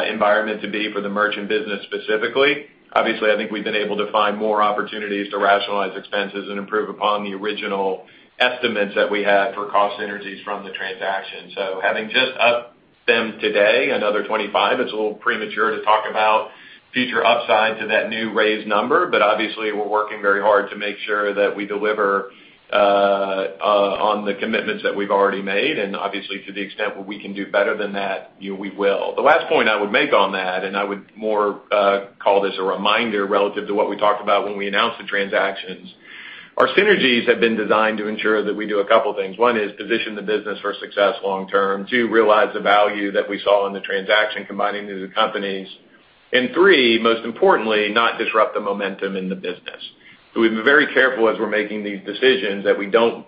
environment to be for the merchant business specifically. Obviously, I think we've been able to find more opportunities to rationalize expenses and improve upon the original estimates that we had for cost synergies from the transaction. Having just upped them today another 25, it's a little premature to talk about future upsides to that new raised number. Obviously we're working very hard to make sure that we deliver on the commitments that we've already made. Obviously to the extent where we can do better than that, we will. The last point I would make on that, and I would more call this a reminder relative to what we talked about when we announced the transactions. Our synergies have been designed to ensure that we do a couple things. One is position the business for success long term. Two, realize the value that we saw in the transaction combining these companies. Three, most importantly, not disrupt the momentum in the business. We've been very careful as we're making these decisions that we don't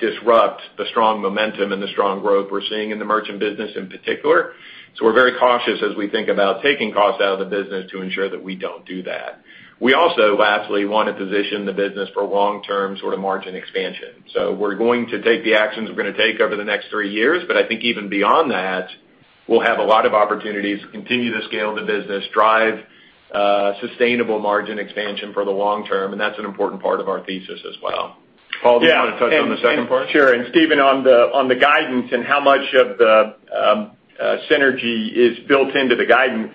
disrupt the strong momentum and the strong growth we're seeing in the merchant business in particular. We're very cautious as we think about taking costs out of the business to ensure that we don't do that. We also, lastly, want to position the business for long-term margin expansion. We're going to take the actions we're going to take over the next three years, but I think even beyond that, we'll have a lot of opportunities to continue to scale the business, drive sustainable margin expansion for the long term, and that's an important part of our thesis as well. Paul Todd, do you want to touch on the second part? Sure. Stephen Kwok, on the guidance and how much of the synergy is built into the guidance.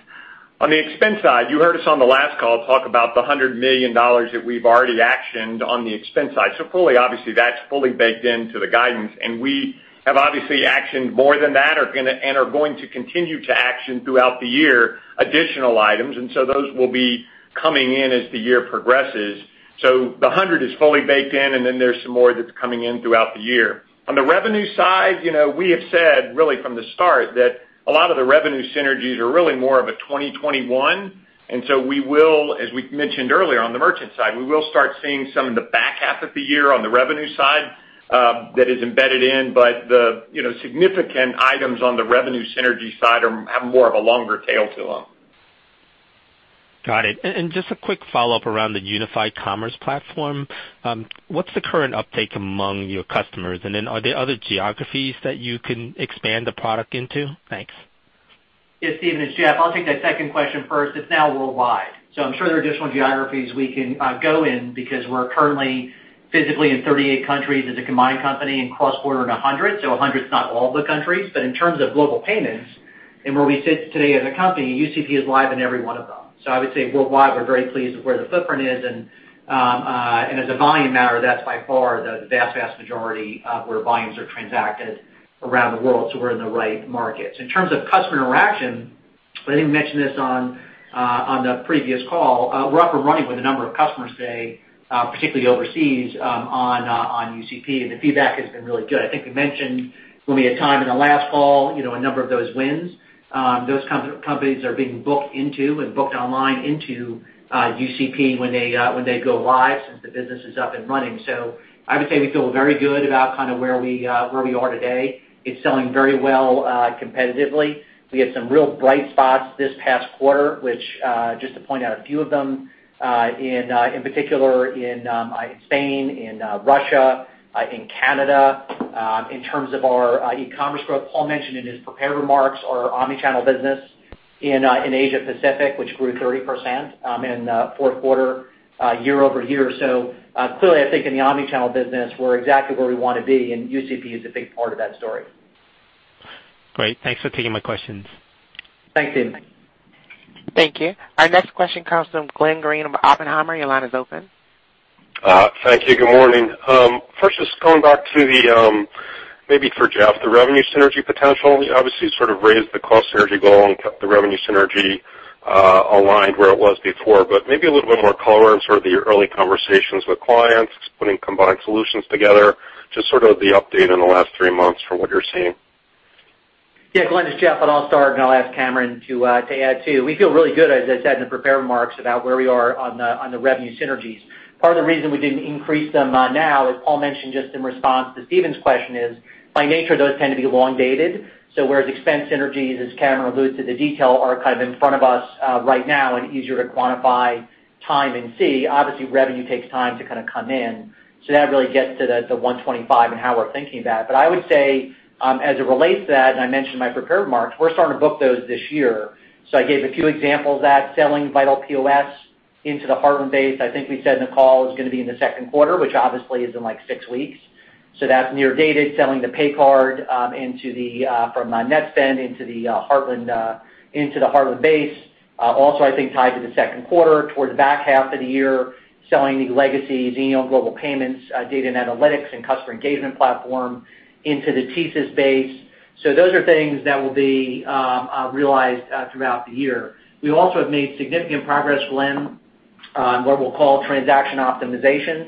On the expense side, you heard us on the last call talk about the $100 million that we've already actioned on the expense side. Fully, obviously, that's fully baked into the guidance, and we have obviously actioned more than that and are going to continue to action throughout the year additional items. Those will be coming in as the year progresses. The $100 is fully baked in, and then there's some more that's coming in throughout the year. On the revenue side, we have said really from the start that a lot of the revenue synergies are really more of a 2021. We will, as we mentioned earlier on the merchant side, we will start seeing some of the back half of the year on the revenue side that is embedded in. The significant items on the revenue synergy side have more of a longer tail to them. Got it. Just a quick follow-up around the Unified Commerce Platform. What's the current uptake among your customers? Are there other geographies that you can expand the product into? Thanks. Yeah, Stephen Kwok, it's Jeff Sloan. I'll take that second question first. It's now worldwide. I'm sure there are additional geographies we can go in because we're currently physically in 38 countries as a combined company and cross-border in 100. 100 is not all the countries, but in terms of Global Payments and where we sit today as a company, UCP is live in every one of them. I would say worldwide, we're very pleased with where the footprint is. As a volume matter, that's by far the vast majority of where volumes are transacted around the world. We're in the right markets. In terms of customer interaction, I didn't mention this on the previous call. We're up and running with a number of customers today, particularly overseas, on UCP, and the feedback has been really good. I think we mentioned when we had time in the last call a number of those wins. Those companies are being booked into and booked online into UCP when they go live since the business is up and running. I would say we feel very good about kind of where we are today. It's selling very well competitively. We had some real bright spots this past quarter, which just to point out a few of them, in particular in Spain, in Russia, in Canada in terms of our e-commerce growth. Paul Todd mentioned in his prepared remarks our omni-channel business in Asia Pacific, which grew 30% in fourth quarter year-over-year. Clearly I think in the omni-channel business, we're exactly where we want to be, and UCP is a big part of that story. Great. Thanks for taking my questions. Thanks, Stephen Kwok. Thank you. Our next question comes from Glenn Greene of Oppenheimer. Your line is open. Thank you. Good morning. First, just going back to maybe for Jeff Sloan, the revenue synergy potential. Obviously, you sort of raised the cost synergy goal and kept the revenue synergy aligned where it was before, but maybe a little bit more color on sort of the early conversations with clients, putting combined solutions together, just sort of the update in the last three months from what you're seeing. Yeah, Glenn Greene, it's Jeff Sloan. I'll start, and I'll ask Cameron Bready to add, too. We feel really good, as I said in the prepared remarks, about where we are on the revenue synergies. Part of the reason we didn't increase them now, as Paul Todd mentioned just in response to Stephen Kwok's question, is by nature, those tend to be elongated. Whereas expense synergies, as Cameron Bready alluded to the detail, are kind of in front of us right now and easier to quantify time and see. Obviously, revenue takes time to kind of come in. That really gets to the 125 and how we're thinking of that. I would say, as it relates to that, and I mentioned in my prepared remarks, we're starting to book those this year. I gave a few examples of that, selling Vital POS. Into the Heartland base. I think we said in the call it's going to be in the second quarter, which obviously is in six weeks. That's near dated, selling the pay card from Netspend into the Heartland base. I think tied to the second quarter, towards the back half of the year, selling the legacy Xenial Global Payments data and analytics and customer engagement platform into the TSYS base. Those are things that will be realized throughout the year. We also have made significant progress, Glenn Greene, on what we'll call transaction optimization,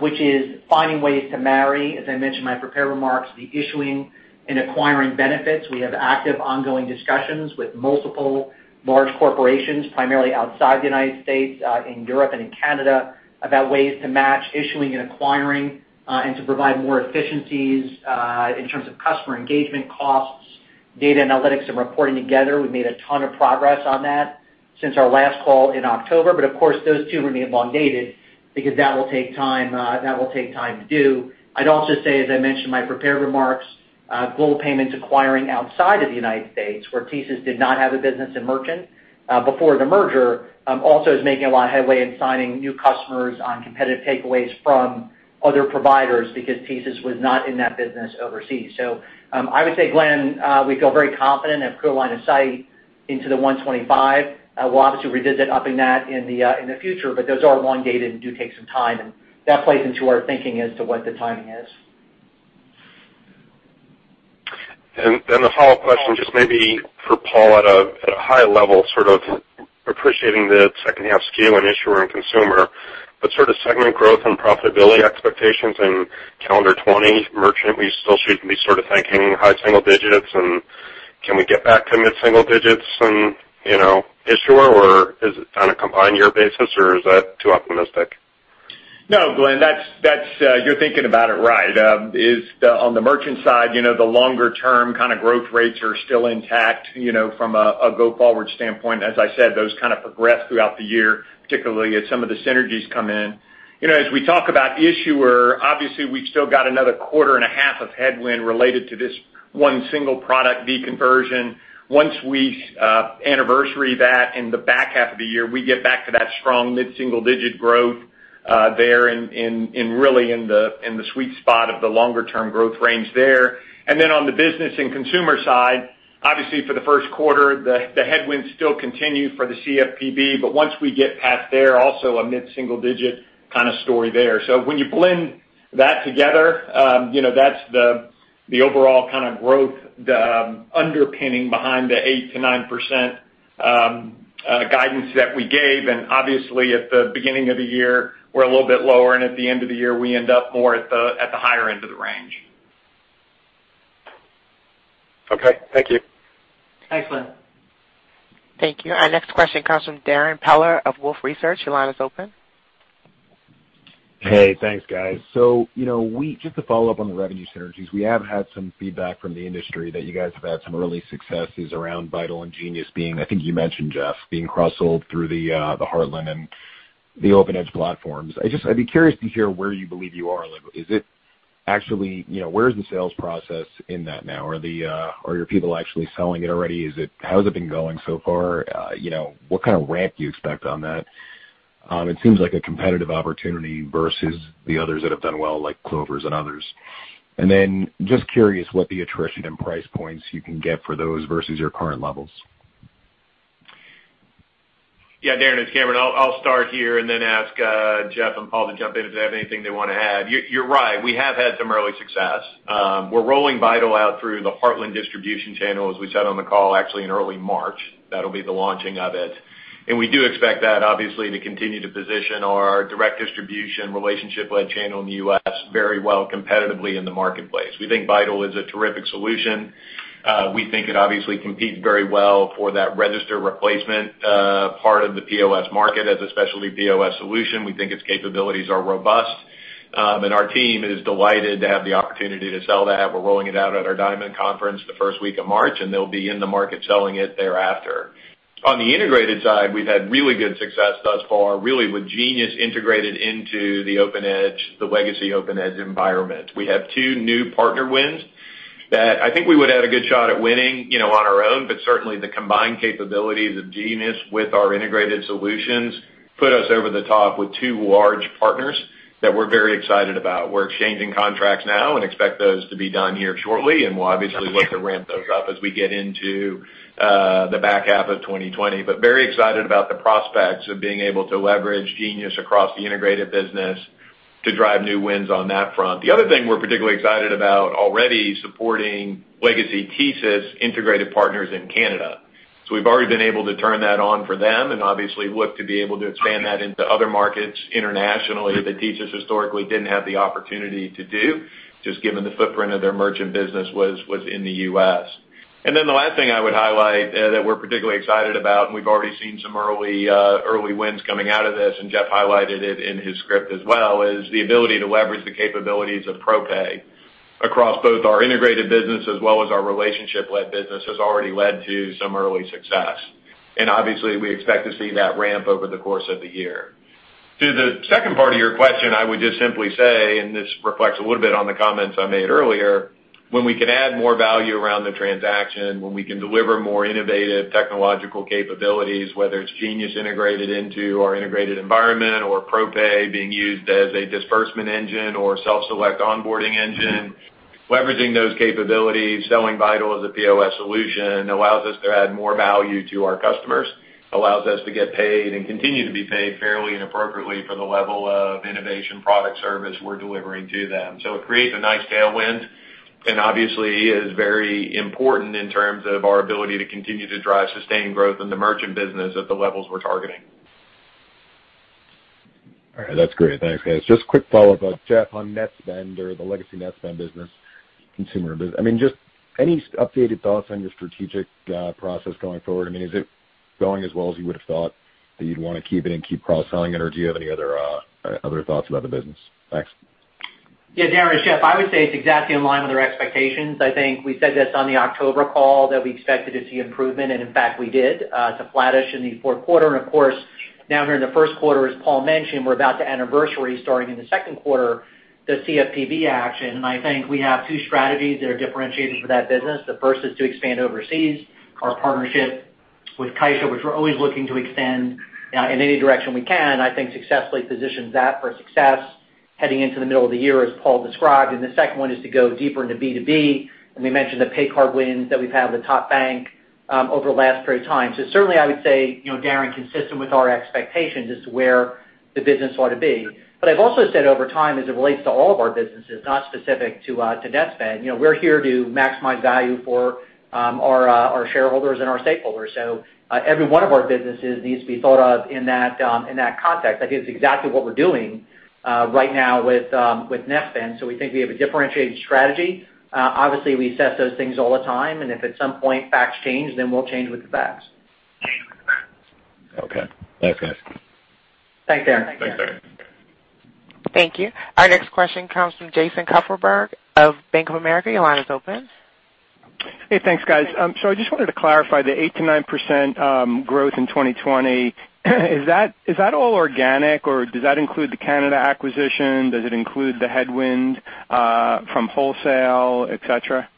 which is finding ways to marry, as I mentioned in my prepared remarks, the issuing and acquiring benefits. We have active ongoing discussions with multiple large corporations, primarily outside the United States, in Europe and in Canada, about ways to match issuing and acquiring and to provide more efficiencies in terms of customer engagement costs, data analytics, and reporting together. We've made a ton of progress on that since our last call in October. Of course, those two remain elongated because that will take time to do. I'd also say, as I mentioned in my prepared remarks, Global Payments acquiring outside of the United States, where TSYS did not have a business in merchant before the merger also is making a lot of headway in signing new customers on competitive takeaways from other providers because TSYS was not in that business overseas. I would say, Glenn Greene, we feel very confident and have clear line of sight into the 125. We'll obviously revisit upping that in the future, but those are elongated and do take some time, and that plays into our thinking as to what the timing is. The follow-up question, just maybe for Paul Todd at a high level, appreciating the second half SKU and issuer and consumer, segment growth and profitability expectations in calendar 2020 merchant, we still should be thinking high single digits. Can we get back to mid-single digits in issuer, or is it on a combined year basis, or is that too optimistic? No, Glenn Greene. You're thinking about it right. On the merchant side, the longer-term kind of growth rates are still intact from a go-forward standpoint. As I said, those kind of progress throughout the year, particularly as some of the synergies come in. As we talk about issuer, obviously we've still got another quarter and a half of headwind related to this one single product de-conversion. Once we anniversary that in the back half of the year, we get back to that strong mid-single-digit growth there and really in the sweet spot of the longer-term growth range there. Then on the business and consumer side, obviously for the first quarter, the headwinds still continue for the CFPB. Once we get past there, also a mid-single digit kind of story there. When you blend that together, that's the overall kind of growth underpinning behind the 8%-9% guidance that we gave. Obviously at the beginning of the year, we're a little bit lower, and at the end of the year, we end up more at the higher end of the range. Okay. Thank you. Thanks, Glenn Greene. Thank you. Our next question comes from Darrin Peller of Wolfe Research. Your line is open. Hey, thanks guys. Just to follow up on the revenue synergies, we have had some feedback from the industry that you guys have had some early successes around Vital and Genius, I think you mentioned, Jeff Sloan, being cross-sold through the Heartland and the OpenEdge platforms. I'd be curious to hear where you believe you are. Where is the sales process in that now? Are your people actually selling it already? How has it been going so far? What kind of ramp do you expect on that? It seems like a competitive opportunity versus the others that have done well, like Clover and others. Just curious what the attrition and price points you can get for those versus your current levels. Yeah, Darrin Peller, it's Cameron Bready. I'll start here and then ask Jeff Sloan and Paul Todd to jump in if they have anything they want to add. You're right. We have had some early success. We're rolling Vital out through the Heartland distribution channel, as we said on the call, actually in early March. That'll be the launching of it. We do expect that obviously to continue to position our direct distribution relationship-led channel in the U.S. very well competitively in the marketplace. We think Vital is a terrific solution. We think it obviously competes very well for that register replacement part of the POS market as a specialty POS solution. We think its capabilities are robust. Our team is delighted to have the opportunity to sell that. We're rolling it out at our Diamond conference the first week of March, and they'll be in the market selling it thereafter. On the integrated side, we've had really good success thus far, really with Genius integrated into the OpenEdge, the legacy OpenEdge environment. We have two new partner wins that I think we would have a good shot at winning on our own, but certainly the combined capabilities of Genius with our integrated solutions put us over the top with two large partners that we're very excited about. We're exchanging contracts now and expect those to be done here shortly, and we'll obviously look to ramp those up as we get into the back half of 2020. Very excited about the prospects of being able to leverage Genius across the integrated business to drive new wins on that front. The other thing we're particularly excited about already supporting legacy TSYS integrated partners in Canada. We've already been able to turn that on for them and obviously look to be able to expand that into other markets internationally that TSYS historically didn't have the opportunity to do, just given the footprint of their merchant business was in the U.S. The last thing I would highlight that we're particularly excited about, and we've already seen some early wins coming out of this, and Jeff Sloan highlighted it in his script as well, is the ability to leverage the capabilities of ProPay across both our integrated business as well as our relationship-led business has already led to some early success. Obviously, we expect to see that ramp over the course of the year. To the second part of your question, I would just simply say, and this reflects a little bit on the comments I made earlier, when we can add more value around the transaction, when we can deliver more innovative technological capabilities, whether it's Genius integrated into our integrated environment or ProPay being used as a disbursement engine or self-select onboarding engine, leveraging those capabilities, selling Vital as a POS solution allows us to add more value to our customers, allows us to get paid and continue to be paid fairly and appropriately for the level of innovation product service we're delivering to them. It creates a nice tailwind, and obviously is very important in terms of our ability to continue to drive sustained growth in the merchant business at the levels we're targeting. All right. That's great. Thanks, guys. Just quick follow-up, Jeff Sloan, on Netspend or the legacy Netspend business, consumer business. Just any updated thoughts on your strategic process going forward? Is it going as well as you would've thought that you'd want to keep it and keep cross-selling it, or do you have any other thoughts about the business? Thanks. Yeah, Darrin Peller, it's Jeff Sloan. I would say it's exactly in line with our expectations. I think we said this on the October call that we expected to see improvement, and in fact, we did. It's a flattish in the fourth quarter, and of course, now here in the first quarter, as Paul Todd mentioned, we're about to anniversary starting in the second quarter, the CFPB action, and I think we have two strategies that are differentiating for that business. The first is to expand overseas. Our partnership with CaixaBank, which we're always looking to extend, in any direction we can, I think successfully positions that for success heading into the middle of the year, as Paul Todd described. The second one is to go deeper into B2B. We mentioned the paycard wins that we've had with Top Bank over the last period of time. Certainly, I would say, Darrin Peller, consistent with our expectations as to where the business ought to be. I've also said over time, as it relates to all of our businesses, not specific to Netspend, we're here to maximize value for our shareholders and our stakeholders. Every one of our businesses needs to be thought of in that context. I think it's exactly what we're doing right now with Netspend. We think we have a differentiated strategy. Obviously, we assess those things all the time, and if at some point facts change, then we'll change with the facts. Okay. Thanks, guys. Thanks, Darrin Peller. Thanks, Darrin Peller. Thank you. Our next question comes from Jason Kupferberg of Bank of America. Your line is open. Hey, thanks, guys. I just wanted to clarify the 8%-9% growth in 2020. Is that all organic, or does that include the Canada acquisition? Does it include the headwind from wholesale, et cetera?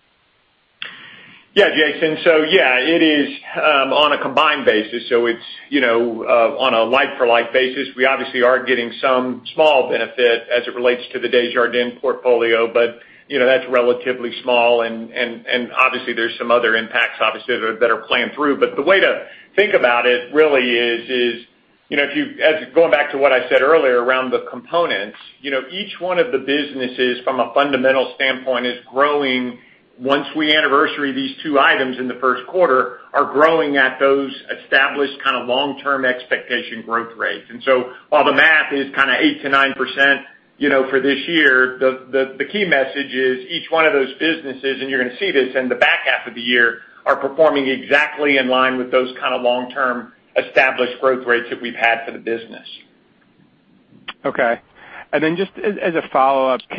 Yeah, Jason Kupferberg. Yeah, it is on a combined basis. It's on a like-for-like basis. We obviously are getting some small benefit as it relates to the Desjardins portfolio, but that's relatively small, and obviously, there's some other impacts obviously that are playing through. The way to think about it really is, going back to what I said earlier around the components, each one of the businesses from a fundamental standpoint is growing, once we anniversary these two items in the first quarter, are growing at those established kind of long-term expectation growth rates. While the math is kind of 8%-9% for this year, the key message is each one of those businesses, and you're going to see this in the back half of the year, are performing exactly in line with those kind of long-term established growth rates that we've had for the business. Okay. Then just as a follow-up, I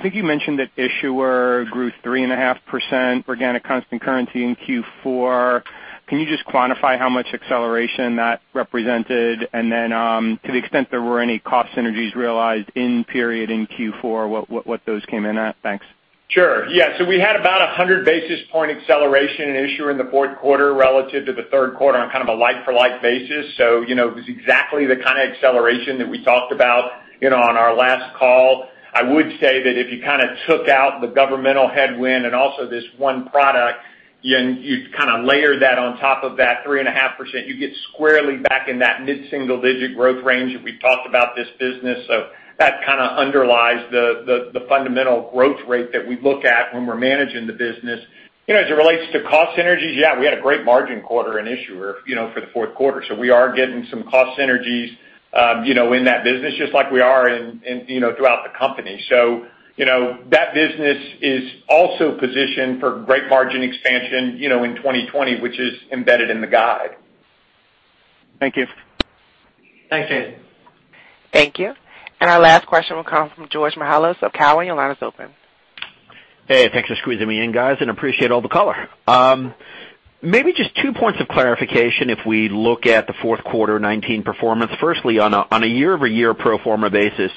think you mentioned that Issuer grew 3.5% organic constant currency in Q4. Can you just quantify how much acceleration that represented? Then to the extent there were any cost synergies realized in period in Q4, what those came in at? Thanks. Sure. Yeah. We had about 100 basis point acceleration in Issuer in the fourth quarter relative to the third quarter on a like-for-like basis. It was exactly the kind of acceleration that we talked about on our last call. I would say that if you took out the governmental headwind and also this one product, and you layer that on top of that 3.5%, you get squarely back in that mid-single-digit growth range that we've talked about this business. That underlies the fundamental growth rate that we look at when we're managing the business. As it relates to cost synergies, yeah, we had a great margin quarter in Issuer for the fourth quarter. We are getting some cost synergies in that business, just like we are throughout the company. That business is also positioned for great margin expansion in 2020, which is embedded in the guide. Thank you. Thanks, Jason Kupferberg. Thank you. Our last question will come from George Mihalos of Cowen and Company. Your line is open. Hey, thanks for squeezing me in, guys, and appreciate all the color. Maybe just two points of clarification if we look at the fourth quarter 2019 performance. Firstly, on a year-over-year pro forma basis,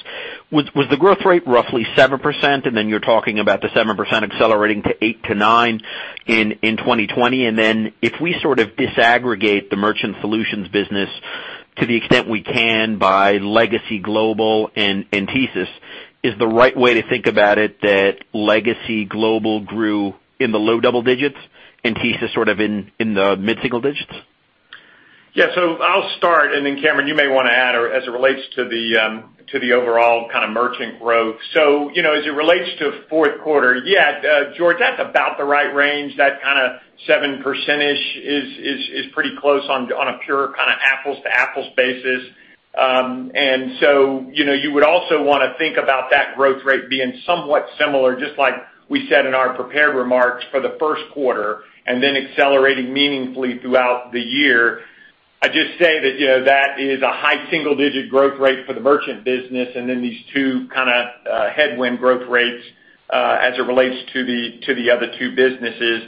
was the growth rate roughly 7%? Then you're talking about the 7% accelerating to 8%-9% in 2020. Then if we sort of disaggregate the Merchant Solutions business to the extent we can by legacy Global and TSYS, is the right way to think about it that legacy Global grew in the low double digits and TSYS sort of in the mid-single digits? I'll start, and then Cameron Bready, you may want to add as it relates to the overall merchant growth. As it relates to fourth quarter, George Mihalos, that's about the right range. That kind of 7%-ish is pretty close on a pure apples-to-apples basis. You would also want to think about that growth rate being somewhat similar, just like we said in our prepared remarks for the first quarter and then accelerating meaningfully throughout the year. I'd just say that that is a high single-digit growth rate for the merchant business and then these two headwind growth rates as it relates to the other two businesses.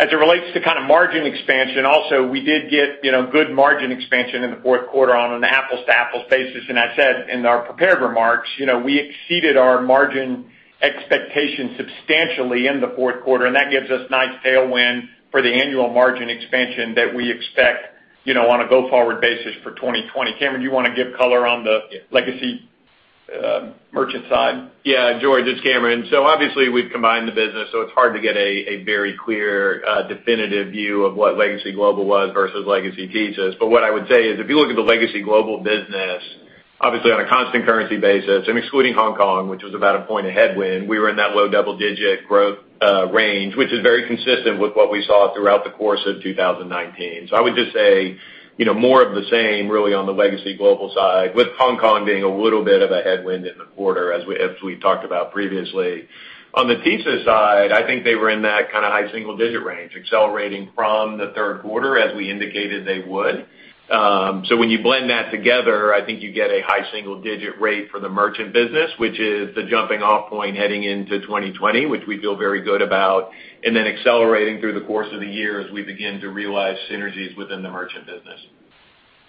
As it relates to margin expansion also, we did get good margin expansion in the fourth quarter on an apples-to-apples basis. I said in our prepared remarks, we exceeded our margin expectations substantially in the fourth quarter, and that gives us nice tailwind for the annual margin expansion that we expect on a go-forward basis for 2020. Cameron Bready, do you want to give color on the legacy merchant side? Yeah, George Mihalos, it's Cameron Bready. Obviously, we've combined the business, so it's hard to get a very clear, definitive view of what legacy Global was versus legacy TSYS. What I would say is, if you look at the legacy Global business, obviously on a constant currency basis and excluding Hong Kong, which was about a point of headwind, we were in that low double-digit growth range, which is very consistent with what we saw throughout the course of 2019. I would just say, more of the same really on the legacy Global side, with Hong Kong being a little bit of a headwind in the quarter as we talked about previously. On the TSYS side, I think they were in that kind of high single-digit range, accelerating from the third quarter as we indicated they would. When you blend that together, I think you get a high single-digit rate for the merchant business, which is the jumping-off point heading into 2020, which we feel very good about, and then accelerating through the course of the year as we begin to realize synergies within the merchant business.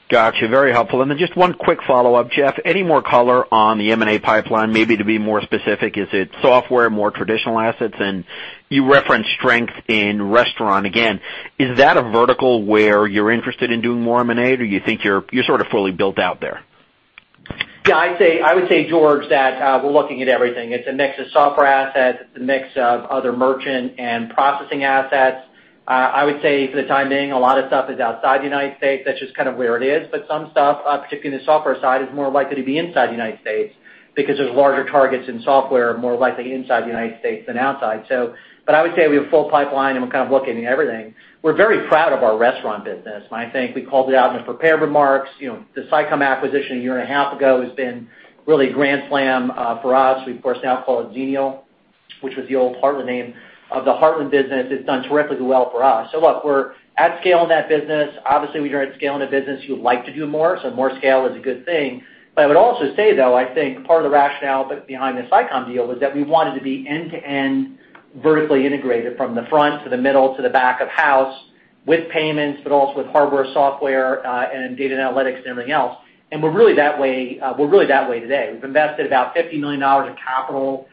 Got you. Very helpful. Then just one quick follow-up, Jeff Sloan. Any more color on the M&A pipeline? Maybe to be more specific, is it software, more traditional assets? You referenced strength in restaurant again. Is that a vertical where you're interested in doing more M&A, or you think you're sort of fully built out there? Yeah, I would say, George Mihalos, that we're looking at everything. It's a mix of software assets. It's a mix of other merchant and processing assets. I would say for the time being, a lot of stuff is outside the United States. That's just kind of where it is. Some stuff, particularly in the software side, is more likely to be inside the United States because there's larger targets in software, more likely inside the United States than outside. I would say we have a full pipeline, and we're kind of looking at everything. We're very proud of our restaurant business. I think we called it out in the prepared remarks. The SICOM acquisition a year and a half ago has been really grand slam for us. We of course now call it Xenial, which was the old Heartland name of the Heartland business. It's done terrifically well for us. Look, we're at scale in that business. Obviously, when you're at scale in a business, you would like to do more, so more scale is a good thing. I would also say, though, I think part of the rationale behind the SICOM deal was that we wanted to be end-to-end vertically integrated from the front to the middle to the back of house with payments, but also with hardware, software, and data and analytics and everything else. We're really that way today. We've invested about $50 million of capital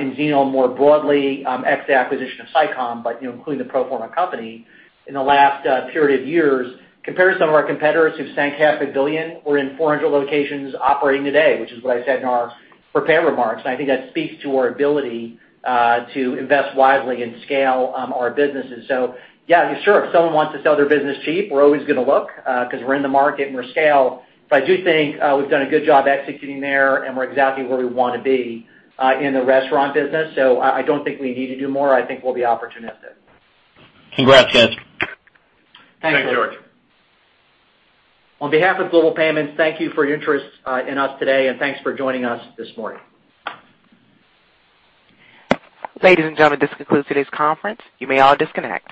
in Xenial more broadly, ex the acquisition of SICOM, but including the pro forma company in the last period of years. Compared to some of our competitors who've sank half a billion, we're in 400 locations operating today, which is what I said in our prepared remarks. I think that speaks to our ability to invest wisely and scale our businesses. Yeah, sure. If someone wants to sell their business cheap, we're always going to look because we're in the market and we're scale. I do think we've done a good job executing there, and we're exactly where we want to be in the restaurant business. I don't think we need to do more. I think we'll be opportunistic. Congrats, guys. Thanks. Thanks, George Mihalos. On behalf of Global Payments, thank you for your interest in us today, and thanks for joining us this morning. Ladies and gentlemen, this concludes today's conference. You may all disconnect.